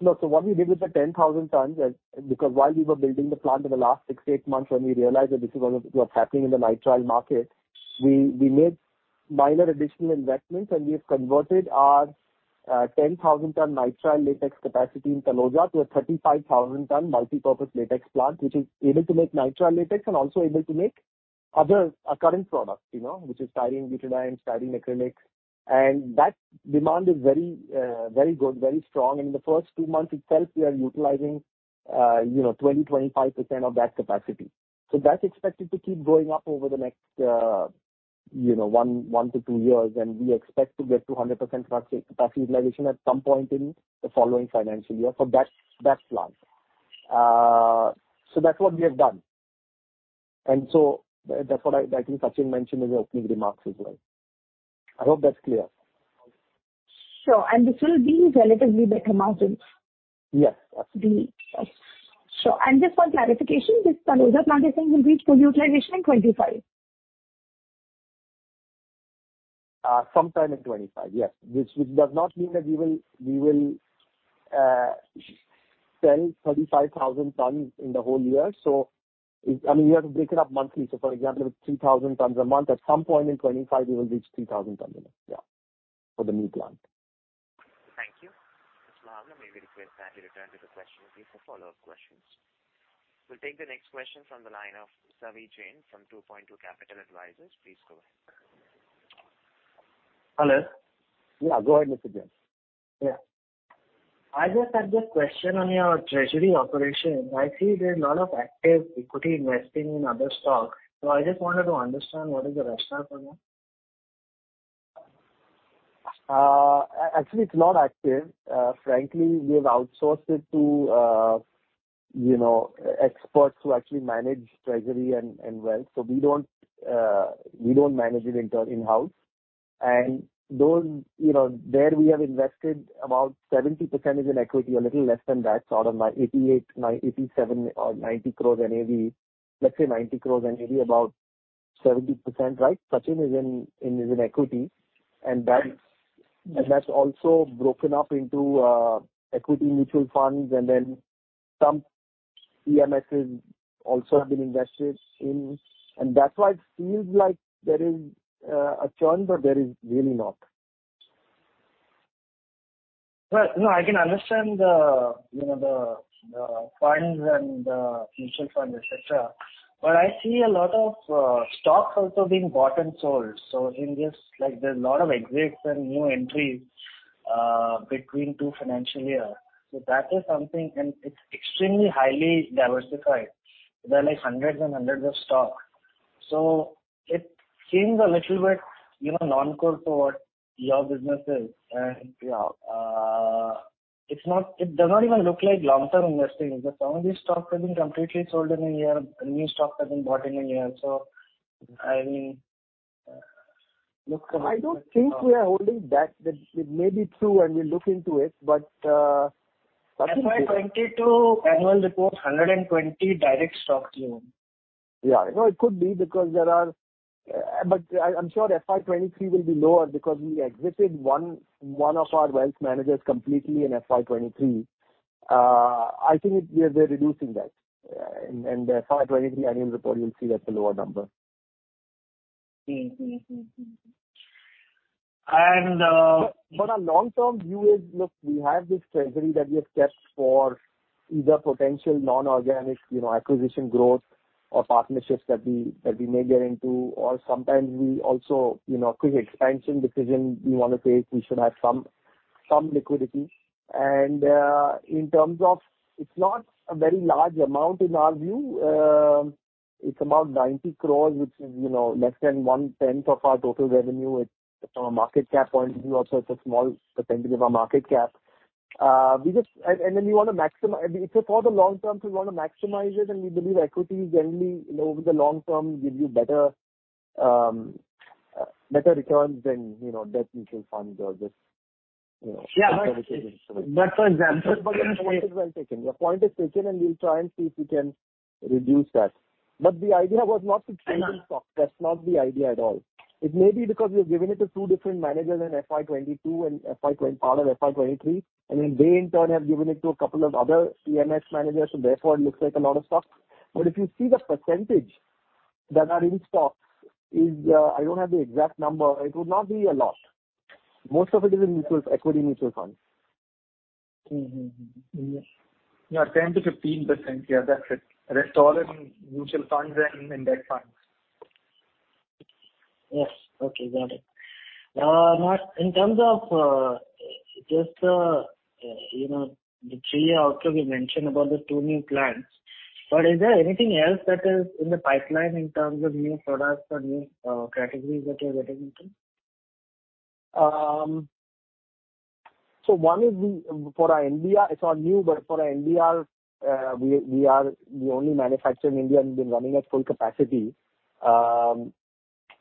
No. What we did with the 10,000 tons, because while we were building the plant in the last 6-8 months when we realized that this is what's happening in the nitrile market, we made minor additional investments, and we have converted our 10,000-ton nitrile latex capacity in Taloja to a 35,000-ton multipurpose latex plant, which is able to make nitrile latex and also able to make other current products, which is styrene butadiene, Styrene Acrylics. That demand is very, very good, very strong. In the first two months itself, we are utilizing 20-25% of that capacity. That's expected to keep going up over the next one to two years. We expect to get to 100% capacity utilization at some point in the following financial year for that plant. That's what we have done. That's what I think Sachin mentioned in the opening remarks as well. I hope that's clear. Sure. This will be relatively better margins? Yes. Okay. Sure. Just for clarification, this Taloja plant, I think will reach full utilization in 2025. Sometime in 2025, yes. Which does not mean that we will sell 35,000 tons in the whole year. I mean, you have to break it up monthly. For example, if it's 2,000 tons a month, at some point in 2025, we will reach 2,000 tons a month, yeah, for the new plant. Thank you. This line may be requested that you return to the question queue for follow-up questions. We'll take the next question from the line of Savi Jain from 2Point2 Capital Advisors. Please go ahead. Hello. Yeah, go ahead, Mr. Jain. Yeah. I just had the question on your treasury operation. I see there's a lot of active equity investing in other stocks. I just wanted to understand what is the rationale for that. Actually, it's not active. Frankly, we have outsourced it to, you know, experts who actually manage treasury and wealth. We don't manage it in-house. Those, you know, there we have invested about 70% is in equity or little less than that, sort of like 87 crore or 90 crore NAV. Let's say 90 crore NAV, about 70%, right, Sachin, is in equity. That's also broken up into equity mutual funds and then some PMSes also have been invested in. That's why it feels like there is a churn, but there is really not. Well, no, I can understand the, you know, the funds and the mutual funds, et cetera. I see a lot of stocks also being bought and sold. Like, there's a lot of exits and new entries between two financial year. That is something. It's extremely highly diversified. There are like hundreds and hundreds of stock. It seems a little bit, you know, non-core to what your business is. It does not even look like long-term investing. Some of these stocks have been completely sold in a year, and new stocks have been bought in a year. I mean I don't think we are holding that. That may be true, and we'll look into it. Sachin. FY 2022 annual report, 120 direct stocks you own. Yeah. No, it could be because there are... I'm sure FY 2023 will be lower because we exited one of our wealth managers completely in FY 2023. I think we're reducing that. FY 2023 annual report you'll see that's a lower number. Mm-hmm. Our long-term view is, look, we have this treasury that we have kept for either potential non-organic, you know, acquisition growth or partnerships that we may get into, or sometimes we also, you know, quick expansion decision we wanna take, we should have some liquidity. In terms of it's not a very large amount in our view. It's about 90 crore, which is, you know, less than 1/10 of our total revenue. It's from a market cap point of view also, it's a small percentage of our market cap. Then we wanna It's for the long term, so we wanna maximize it, and we believe equity generally, you know, over the long term give you better returns than, you know, debt mutual funds or just, you know Yeah. For example, for illustration- Your point is well taken. Your point is taken, and we'll try and see if we can reduce that. The idea was not to trade in stock. That's not the idea at all. It may be because we have given it to two different managers in FY 2022 and FY part of FY 2023, and then they in turn have given it to a couple of other PMS managers, so therefore it looks like a lot of stocks. If you see the percentage that are in stocks is, I don't have the exact number, it would not be a lot. Most of it is in equity mutual funds. Mm-hmm. Mm-hmm. Yeah, 10% to 15%. Yeah, that's it. Rest all in mutual funds and index funds. Yes. Okay, got it. Now in terms of, just, you know, the CA also we mentioned about the two new plants, but is there anything else that is in the pipeline in terms of new products or new categories that you're getting into? One is for our NBR, it's all new, but for our NBR, we are the only manufacturer in India and we've been running at full capacity.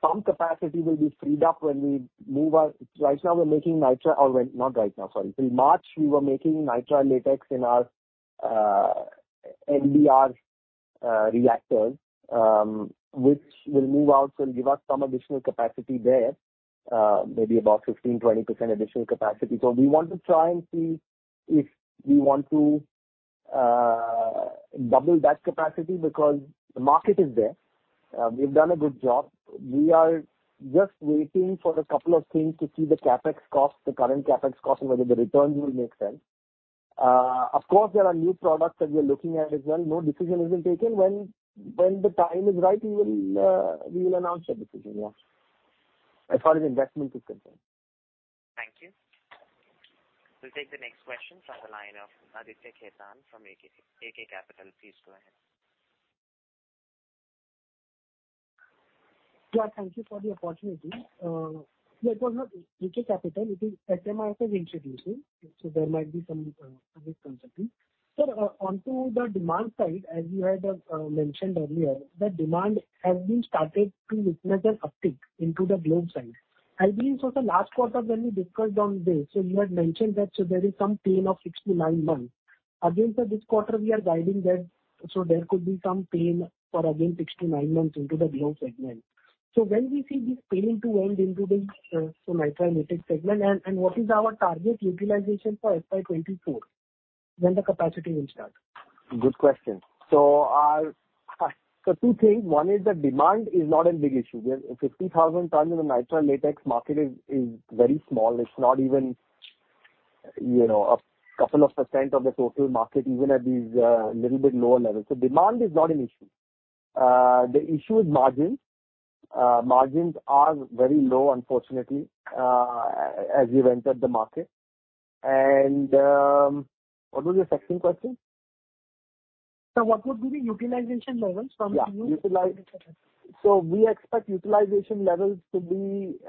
Some capacity will be freed up when we move our. Right now we're making nitrile, or not right now, sorry. Till March, we were making nitrile latex in our NBR reactors, which will move out and give us some additional capacity there, maybe about 15-20% additional capacity. We want to try and see if we want to double that capacity because the market is there. We've done a good job. We are just waiting for a couple of things to see the CapEx costs, the current CapEx costs, and whether the returns will make sense. Of course, there are new products that we are looking at as well. No decision has been taken. When the time is right, we will announce that decision. Yeah. As far as investment is concerned. Thank you. We'll take the next question from the line of Aditya Khetan from AK Capital. Please go ahead. Yeah, thank you for the opportunity. Yeah, it was not AK Capital, it is SMIFS who's introducing, so there might be some conflict of interest. Sir, onto the demand side, as you had mentioned earlier, the demand has been started to witness an uptick into the glove side. I believe so the last quarter when we discussed on this, so you had mentioned that so there is some pain of six to nine months. Again, sir, this quarter we are guiding that so there could be some pain for again six to nine months into the glove segment. When we see this pain to end into the nitrile latex segment and what is our target utilization for FY 2024, when the capacity will start? Good question. I'll two things. One is that demand is not a big issue. We have 50,000 tons in the nitrile latex market is very small. It's not even, you know, a couple of % of the total market, even at these little bit lower levels. Demand is not an issue. The issue is margins. Margins are very low, unfortunately, as we entered the market. What was your second question? Sir, what would be the utilization levels? Yeah. -new nitrile latex? We expect utilization levels to be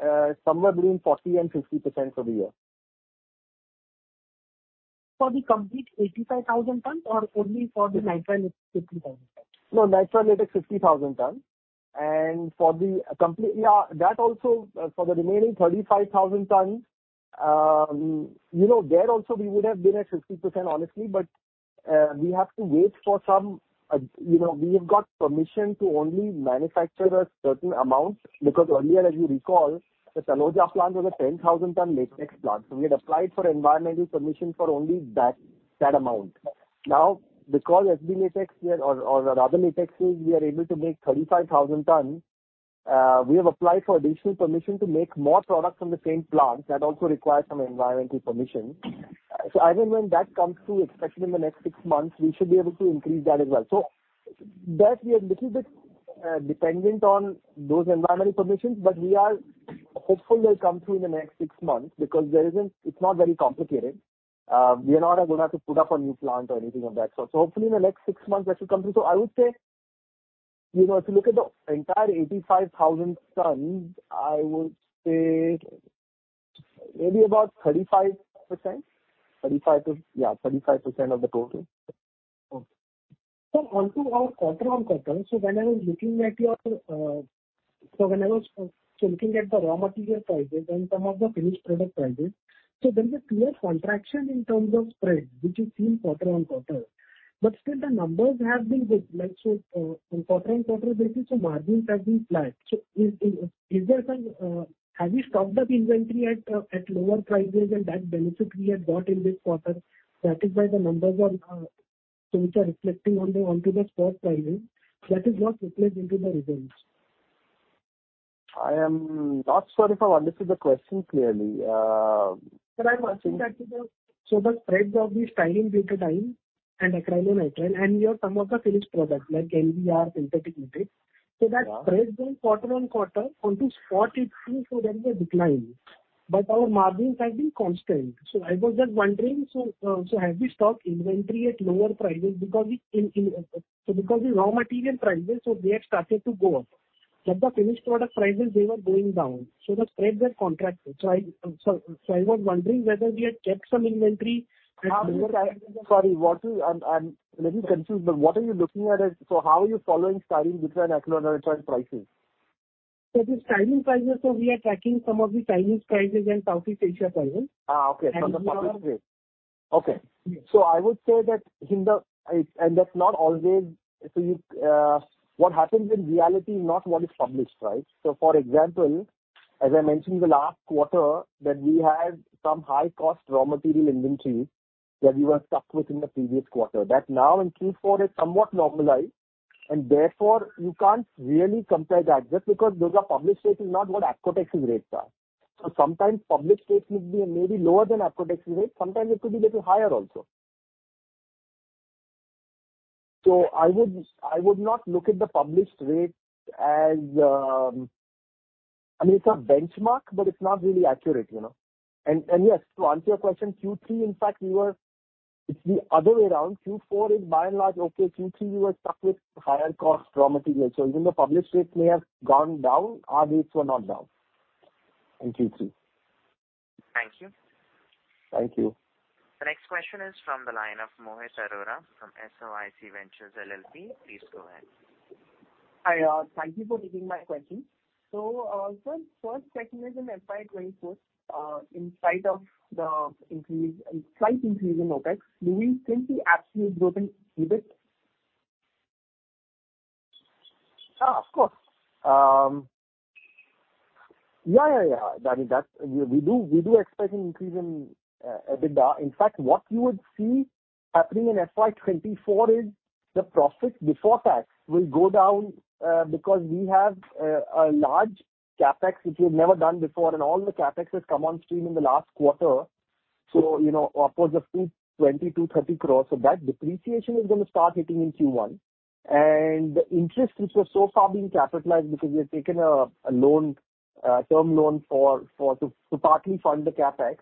somewhere between 40% and 50% for the year. For the complete 85,000 tons or only for the nitrile 60,000 tons? No, nitrile latex 50,000 tons. For the complete... Yeah, that also for the remaining 35,000 tons, you know, there also we would have been at 60%, honestly, but we have to wait for some, you know, we have got permission to only manufacture a certain amount, because earlier, as you recall, the Taloja plant was a 10,000 ton latex plant. We had applied for environmental permission for only that amount. Because SB Latex or our other latexes, we are able to make 35,000 tons. We have applied for additional permission to make more products on the same plant. That also requires some environmental permission. I think when that comes through, especially in the next 6 months, we should be able to increase that as well. That we are a little bit dependent on those environmental permissions, but we are hopeful they'll come through in the next six months because it's not very complicated. We're not gonna have to put up a new plant or anything of that sort. Hopefully in the next six months that should come through. I would say, you know, if you look at the entire 85,000 tons, I would say maybe about 35%. Thirty-five to... Yeah, 35% of the total. Okay. Onto our quarter-on-quarter, when I was looking at the raw material prices and some of the finished product prices, there is a clear contraction in terms of spread which is seen quarter-on-quarter. Still the numbers have been good. Like, quarter-on-quarter basis, margins have been flat. Is there some, have you stocked up inventory at lower prices and that benefit we have got in this quarter, that is why the numbers are so which are reflecting onto the spot prices? That is what reflects into the results. I am not sure if I've understood the question clearly. Sir, I'm asking that so the spreads of the styrene butadiene and acrylonitrile and your some of the finished products like NBR, synthetic latex. Yeah. That spread going quarter-on-quarter onto spot it seems so there is a decline. Our margins have been constant. I was just wondering, so have you stocked inventory at lower prices? Because the raw material prices, so they have started to go up. The finished product prices, they were going down. The spread got contracted. I was wondering whether we had kept some inventory at lower prices. Sorry, I'm a little confused, but what are you looking at it? How are you following styrene butadiene acrylonitrile prices? The styrene prices, so we are tracking some of the Chinese prices and Southeast Asia prices. Okay. From the published rates. And some of- Okay. Yes. I would say that in the... That's not always, so you, what happens in reality is not what is published, right? For example, as I mentioned in the last quarter that we had some high cost raw material inventory that we were stuck with in the previous quarter. That now in Q4 is somewhat normalized. Therefore, you can't really compare that just because those are published rates is not what Apcotex's rates are. Sometimes published rates could be maybe lower than Apcotex's rate, sometimes it could be little higher also. I would not look at the published rate as... I mean, it's a benchmark, but it's not really accurate, you know. Yes, to answer your question, Q3 in fact it's the other way around. Q4 is by and large okay. Q3 we were stuck with higher costs raw materials. Even though published rates may have gone down, our rates were not down in Q3. Thank you. Thank you. The next question is from the line of Ishmohit Arora from SOIC Ventures LLP. Please go ahead. Hi, thank you for taking my question. Sir, first question is in FY 2024, in spite of the slight increase in OpEx, do we still see absolute growth in EBIT? Yeah, of course. Yeah. I mean, that's. We do expect an increase in EBITDA. In fact, what you would see happening in FY 2024 is the profit before tax will go down because we have a large CapEx which we've never done before, and all the CapEx has come on stream in the last quarter. You know, upwards of 20 crores-30 crores. That depreciation is gonna start hitting in Q1. The interest which was so far being capitalized because we had taken a loan, term loan for to partly fund the CapEx,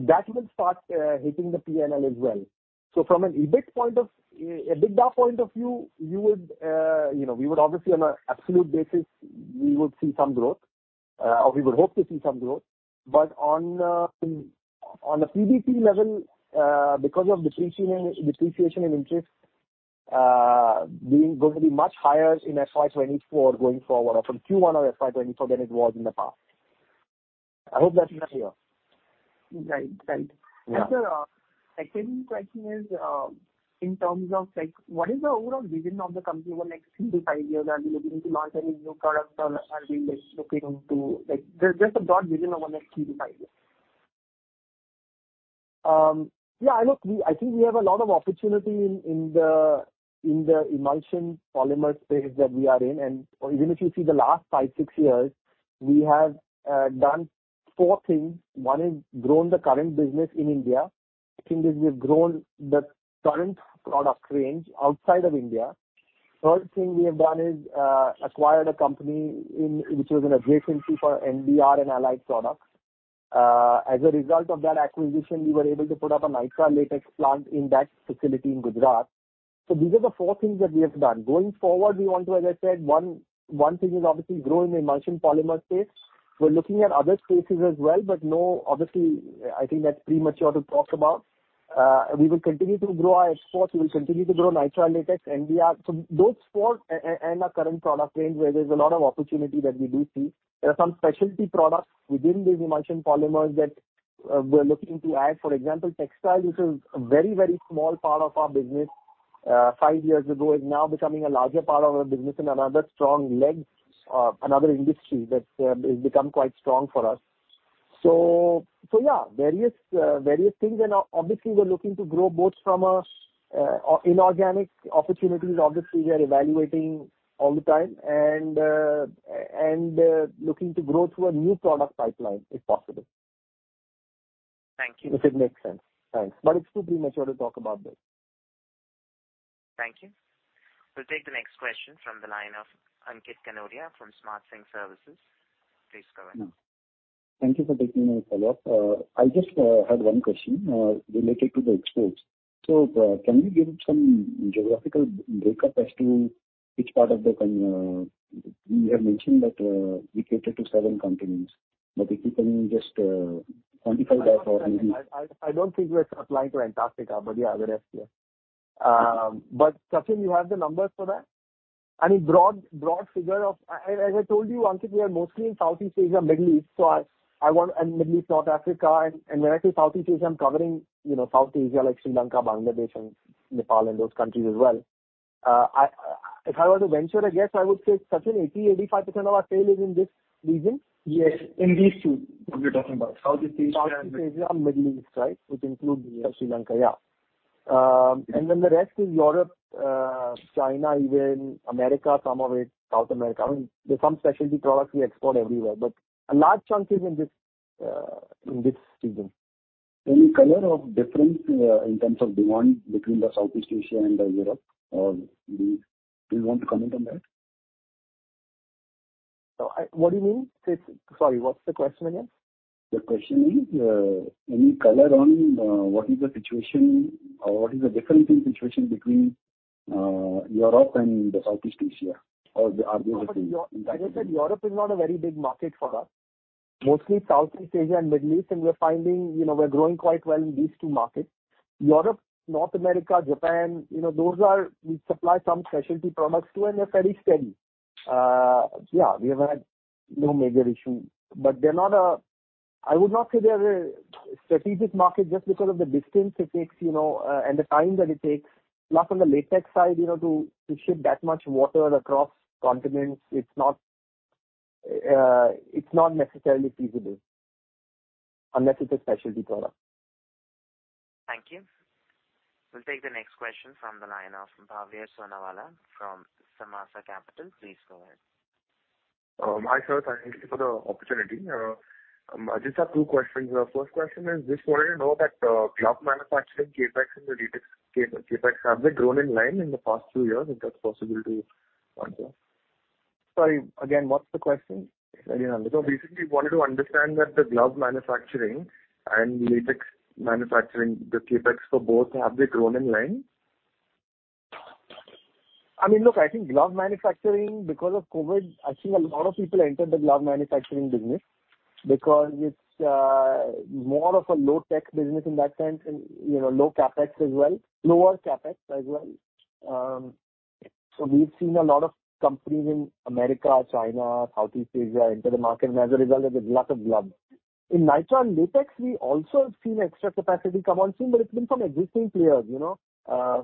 that will start hitting the P&L as well. From an EBIT EBITDA point of view, you would, you know, we would obviously on an absolute basis, we would see some growth, or we would hope to see some growth. On a PBT level, because of depreciation and interest, gonna be much higher in FY 2024 going forward or from Q1 of FY 2024 than it was in the past. I hope that's clear. Right. Right. Yeah. Sir, my second question is, in terms of like what is the overall vision of the company over next three to five years? Are we looking to launch any new products or are we just Like, just a broad vision of our next three to five years. Yeah, look, I think we have a lot of opportunity in the, in the emulsion polymer space that we are in. Even if you see the last five to six years, we have done four things. One is grown the current business in India. Second thing is we've grown the current product range outside of India. Third thing we have done is acquired a company in a adjacent for NBR and allied products. As a result of that acquisition, we were able to put up a nitrile latex plant in that facility in Gujarat. These are the four things that we have done. Going forward, we want to, as I said, one thing is obviously grow in the emulsion polymer space. We're looking at other spaces as well, but no, obviously, I think that's premature to talk about. We will continue to grow our exports, we will continue to grow nitrile latex, NBR. Those four and our current product range where there's a lot of opportunity that we do see. There are some specialty products within these emulsion polymers that we're looking to add. For example, textile, which is a very small part of our business, five years ago, is now becoming a larger part of our business and another strong leg, another industry that's become quite strong for us. Yeah, various things. Obviously we're looking to grow both from a, in organic opportunities, obviously we are evaluating all the time and, looking to grow through a new product pipeline if possible. Thank you. If it makes sense. Thanks. It's too premature to talk about this. Thank you. We'll take the next question from the line of Ankit Kanodia from Smart Sync Services. Please go ahead. Thank you for taking my follow-up. I just had one question related to the exports. Can you give some geographical breakup as to which part of the con-- you have mentioned that we cater to 7 continents, but if you can just quantify that for me. I don't think we are supplying to Antarctica, but yeah, the rest, yeah. Sachin, you have the numbers for that? I mean, broad figure of... As I told you, Ankit, we are mostly in Southeast Asia, Middle East. Middle East, North Africa. When I say Southeast Asia, I'm covering, you know, South Asia like Sri Lanka, Bangladesh and Nepal and those countries as well. If I were to venture a guess, I would say, Sachin, 80%-85% of our sale is in this region. Yes. In these two we're talking about Southeast Asia and- Southeast Asia and Middle East, right? Which include Sri Lanka. Yeah. The rest is Europe, China, even America, some of it South America. I mean, there's some specialty products we export everywhere, but a large chunk is in this, in this region. Any color of difference, in terms of demand between the Southeast Asia and Europe? Do you want to comment on that? What do you mean? Sorry, what's the question again? The question is, any color on what is the situation or what is the difference in situation between Europe and Southeast Asia? Are they the same? As I said, Europe is not a very big market for us. Mostly it's Southeast Asia and Middle East, and we're finding, you know, we're growing quite well in these two markets. Europe, North America, Japan, you know, we supply some specialty products to, and they're fairly steady. Yeah, we have had no major issue, I would not say they're a strategic market just because of the distance it takes, you know, and the time that it takes. On the latex side, you know, to ship that much water across continents, it's not necessarily feasible unless it's a specialty product. Thank you. We'll take the next question from the line of Bhavya Sonawala from Samaasa Capital. Please go ahead. Hi, sir. Thank you for the opportunity. I just have two questions. The first question is, just wanted to know that, glove manufacturing CapEx and the latex CapEx, have they grown in line in the past two years, if that's possible to answer? Sorry, again, what's the question? Again. Basically wanted to understand that the glove manufacturing and latex manufacturing, the CapEx for both, have they grown in line? I mean, look, I think glove manufacturing, because of COVID, I think a lot of people entered the glove manufacturing business because it's more of a low-tech business in that sense and, you know, low CapEx as well, lower CapEx as well. We've seen a lot of companies in America, China, Southeast Asia enter the market, and as a result, there's lots of gloves. In nitrile and latex, we also have seen extra capacity come on scene, but it's been from existing players, you know.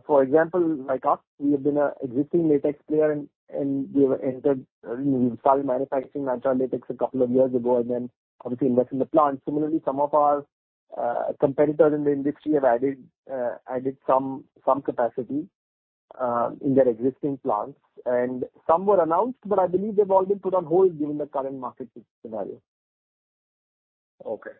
For example, like us, we have been a existing latex player and we have entered, we've started manufacturing nitrile and latex a couple of years ago and then obviously invest in the plant. Similarly, some of our competitors in the industry have added some capacity in their existing plants, and some were announced, but I believe they've all been put on hold given the current market value. Okay.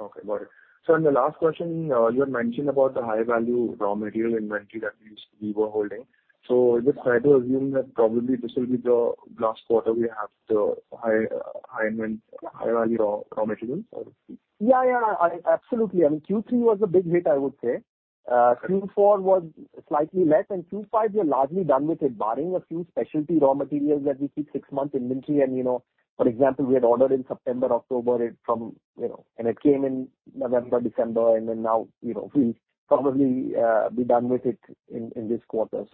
Okay, got it. In the last question, you had mentioned about the high value raw material inventory that we were holding. Just try to assume that probably this will be the last quarter we have the high, high value raw materials or- Yeah, yeah, I, absolutely. I mean, Q3 was a big hit, I would say. Okay. Q4 was slightly less. Q5, we're largely done with it, barring a few specialty raw materials that we keep six months inventory and, you know. For example, we had ordered in September, October it from, you know. It came in November, December, and then now, you know, we'll probably be done with it in this quarter.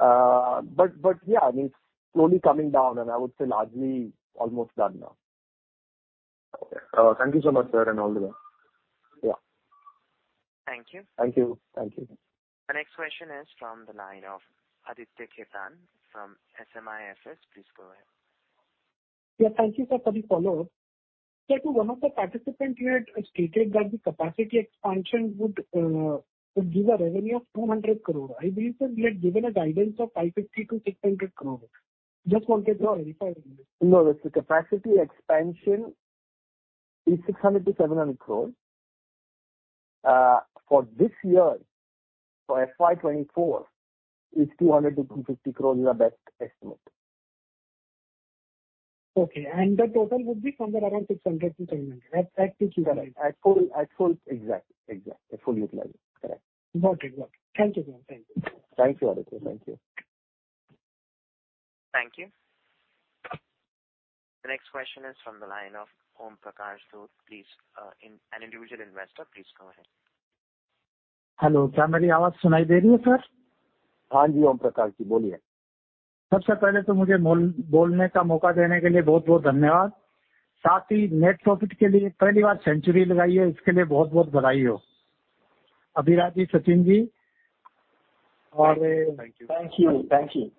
Yeah, I mean, it's slowly coming down, and I would say largely almost done now. Okay. Thank you so much, sir, and all the best. Yeah. Thank you. Thank you. Thank you. The next question is from the line of Aditya Khetan from SMIFS. Please go ahead. Yeah, thank you, sir, for the follow-up. Sir, to one of the participant you had stated that the capacity expansion would give a revenue of 200 crore. I believe that we had given a guidance of 550 crore-600 crore. Just wanted to verify with you. No, the capacity expansion is 600 crore-700 crore. For this year, for FY 2024, it's 200 crore-250 crore is our best estimate. Okay, the total would be somewhere around 600-700. That's what you are saying? Exactly. At full utilization. Correct. Got it. Got it. Thank you, sir. Thank you. Thank you, Aditya. Thank you. Thank you. The next question is from the line of Om Prakash. Please, an individual investor, please go ahead. Hello. Yes. Thank you. Thank you. Thank you.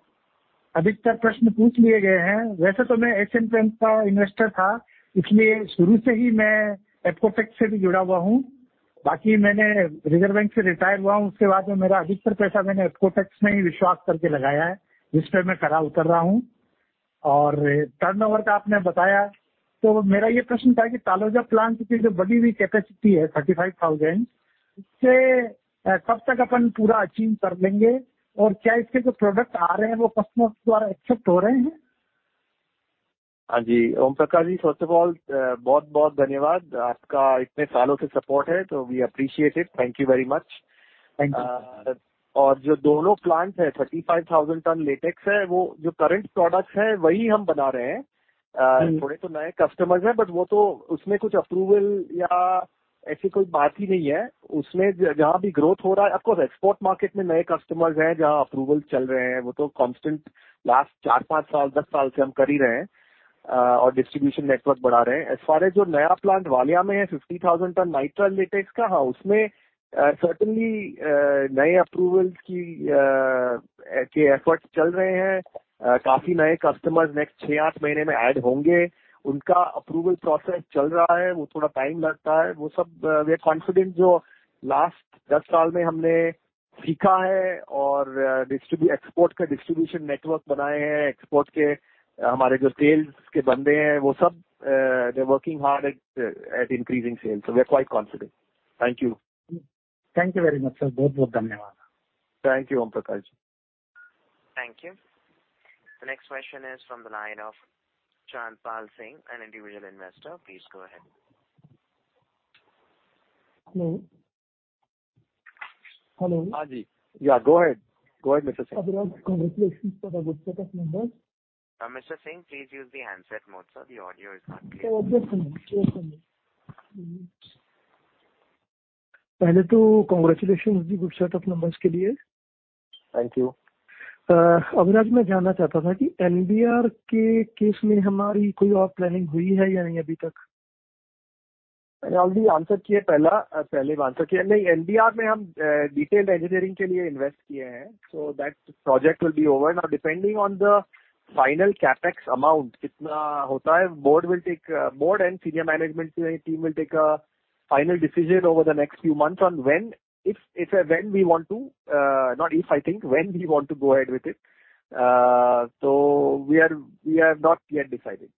Yes. Om Prakash ji, first of all, we appreciate it. Thank you very much. Thank you. 35,000 ton latex current products, customers approval growth of course, export market approval constant or distribution network. As far as 50,000 ton nitrile latex, certainly, customers 8 months approval process time. We are confident export distribution network export sales. They're working hard at increasing sales, so we're quite confident. Thank you. Thank you very much, sir. Thank you, Om Prakash ji. Thank you. The next question is from the line of Chandra Pal Singh, an individual investor. Please go ahead. Hello. Hello. Yes. Yeah, go ahead. Go ahead, Mr. Singh. Mr. Singh, please use the handset mode, sir. The audio is not clear. Thank you. NBR or not till now? I already answered here first. Previously answered. NBR detailed engineering, so that project will be over. Now, depending on the final CapEx amount, board and senior management team will take final decision over the next few months on when, if or when we want to, not if, I think, when we want to go ahead with it. We are not yet decided.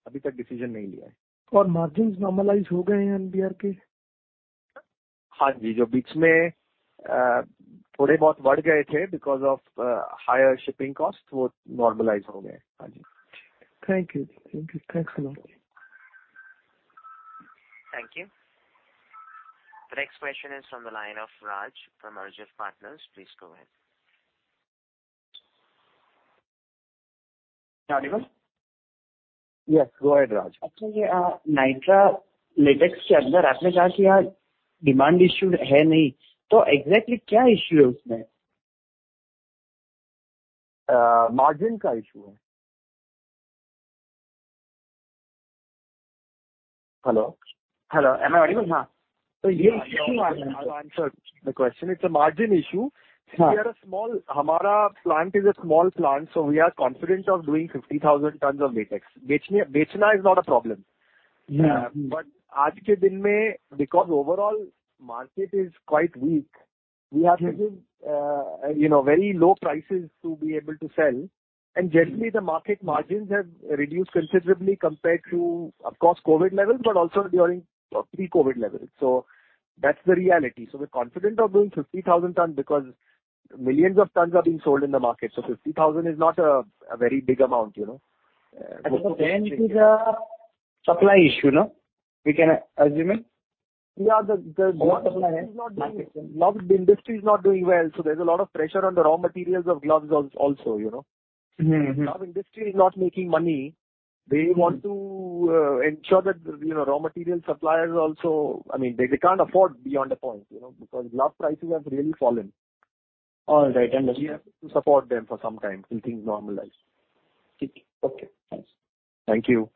Thank you. Thank you. Thanks a lot. Thank you. The next question is from the line of Raj from Merger Partners. Please go ahead. Yes, go ahead, Raj. margin. Hello? Am I audible? To answer the question, it's a margin issue. Our plant is a small plant, we are confident of doing 50,000 tons of latex. is not a problem. Mm-hmm. Because overall market is quite weak. We are taking, you know, very low prices to be able to sell. Generally, the market margins have reduced considerably compared to, of course, COVID levels, but also during pre-COVID levels. That's the reality. We're confident of doing 50,000 tons because millions of tons are being sold in the market. 50,000 is not a very big amount, you know. It is a supply issue, no? We can assume it. Yeah. Now the industry is not doing well, so there's a lot of pressure on the raw materials of gloves also, you know. Mm-hmm. Now industry is not making money. They want to ensure that, you know, raw material suppliers. I mean, they can't afford beyond a point, you know, because glove prices have really fallen. All right. Understood. We have to support them for some time till things normalize. Okay. Thanks. Thank you.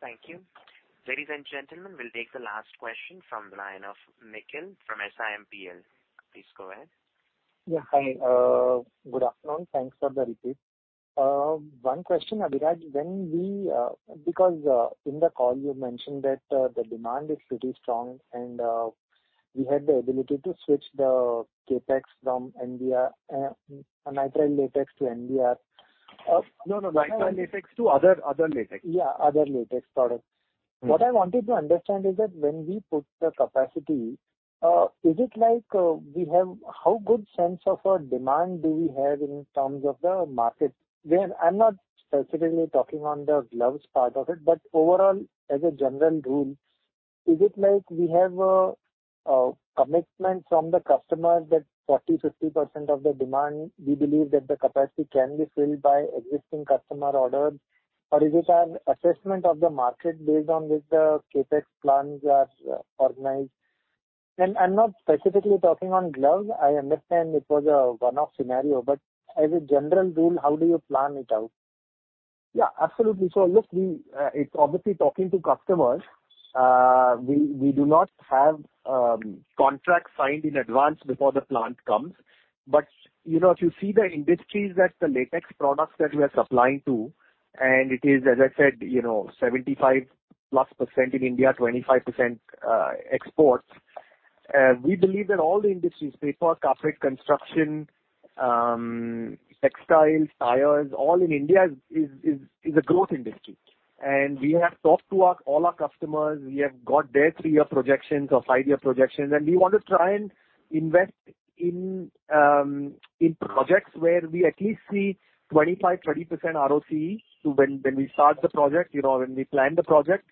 Thank you. Ladies and gentlemen, we'll take the last question from the line of Nikhil from SiMPL. Please go ahead. Yeah. Hi. Good afternoon. Thanks for the repeat. One question, Abhiraj Choksey. Because in the call you mentioned that the demand is pretty strong and we had the ability to switch the CapEx from NBR, nitrile latex to NBR. No, no. nitrile latex to other latex. Yeah, other latex products. Mm-hmm. What I wanted to understand is that when we put the capacity, is it like how good sense of a demand do we have in terms of the market? Where I'm not specifically talking on the gloves part of it, but overall, as a general rule, is it like we have a commitment from the customer that 40%, 50% of the demand, we believe that the capacity can be filled by existing customer orders? Or is it an assessment of the market based on which the CapEx plans are organized? I'm not specifically talking on glove. I understand it was a one-off scenario. As a general rule, how do you plan it out? Absolutely. Look, it's obviously talking to customers. We do not have contracts signed in advance before the plant comes. You know, if you see the industries that the latex products that we are supplying to, and it is, as I said, you know, 75%+ in India, 25% exports. We believe that all the industries, paper, carpet, construction, textiles, tires, all in India is a growth industry. We have talked to all our customers. We have got their three-year projections or five-year projections. We want to try and invest in projects where we at least see 25%-20% ROCE to when we start the project, you know, when we plan the project,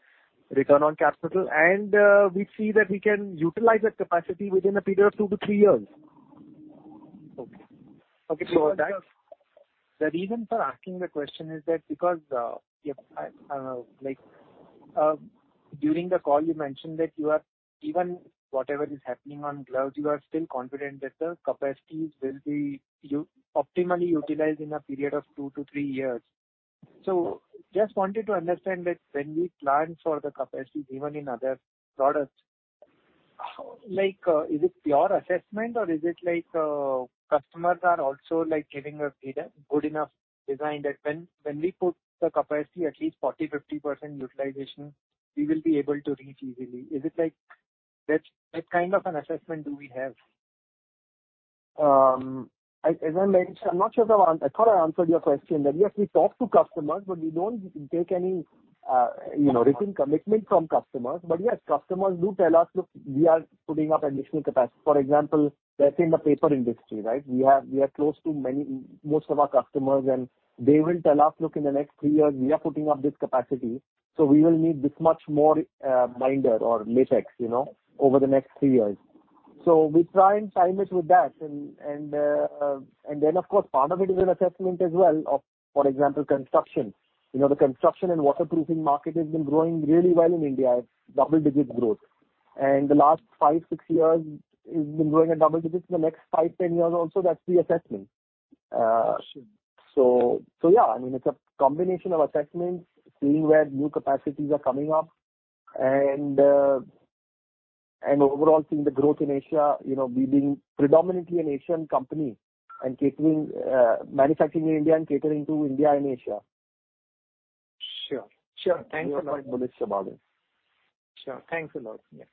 return on capital. We see that we can utilize that capacity within a period of two to three years. Okay. Okay. So that's- The reason for asking the question is that because, like, during the call, you mentioned that you are even whatever is happening on gloves, you are still confident that the capacities will be optimally utilized in a period of two to three years. Just wanted to understand that when we plan for the capacities even in other products, like, is it your assessment or is it like, customers are also like giving us data good enough design that when we put the capacity at least 40%, 50% utilization, we will be able to reach easily. Is it like that kind of an assessment do we have? As I mentioned, I'm not sure if I thought I answered your question. That, yes, we talk to customers, but we don't take any, you know, written commitment from customers. Yes, customers do tell us, "Look, we are putting up additional capacity." For example, let's say in the paper industry, right? We are, we are close to many, most of our customers, and they will tell us, "Look, in the next three years, we are putting up this capacity, so we will need this much more, binder or latex, you know, over the next three years." We try and time it with that. Then of course, part of it is an assessment as well of, for example, construction. You know, the construction and waterproofing market has been growing really well in India at double-digit growth. The last five, six years, it's been growing at double digits. In the next five, 10 years also, that's the assessment. Sure. Yeah, I mean, it's a combination of assessments, seeing where new capacities are coming up and overall seeing the growth in Asia. You know, we being predominantly an Asian company and catering manufacturing in India and catering to India and Asia. Sure. Sure. Thanks a lot. We are quite bullish about it. Sure. Thanks a lot. Yeah.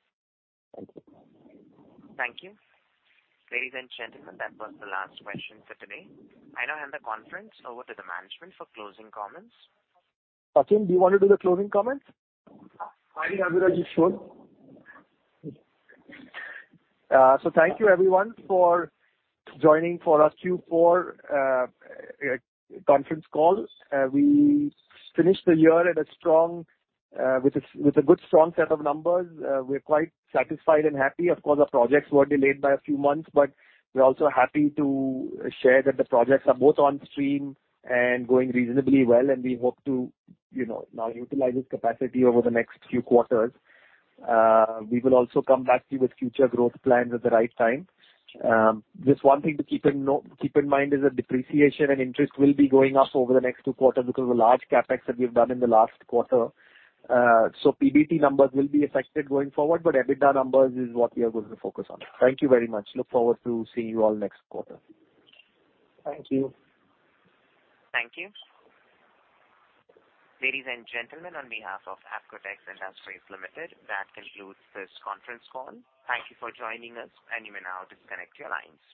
Thank you. Thank you. Ladies and gentlemen, that was the last question for today. I now hand the conference over to the management for closing comments. Sachin Karwa, do you want to do the closing comments? Fine, Abhiraj. Sure. Thank you everyone for joining for our Q4 conference call. We finished the year at a strong, with a good strong set of numbers. We're quite satisfied and happy. Of course, our projects were delayed by a few months. We're also happy to share that the projects are both on stream and going reasonably well, and we hope to, you know, now utilize this capacity over the next few quarters. We will also come back to you with future growth plans at the right time. Just one thing to keep in mind is that depreciation and interest will be going up over the next two quarters because of the large CapEx that we've done in the last quarter. PBT numbers will be affected going forward, but EBITDA numbers is what we are going to focus on. Thank you very much. Look forward to seeing you all next quarter. Thank you. Thank you. Ladies and gentlemen, on behalf of Apcotex Industries Limited, that concludes this conference call. Thank you for joining us, and you may now disconnect your lines.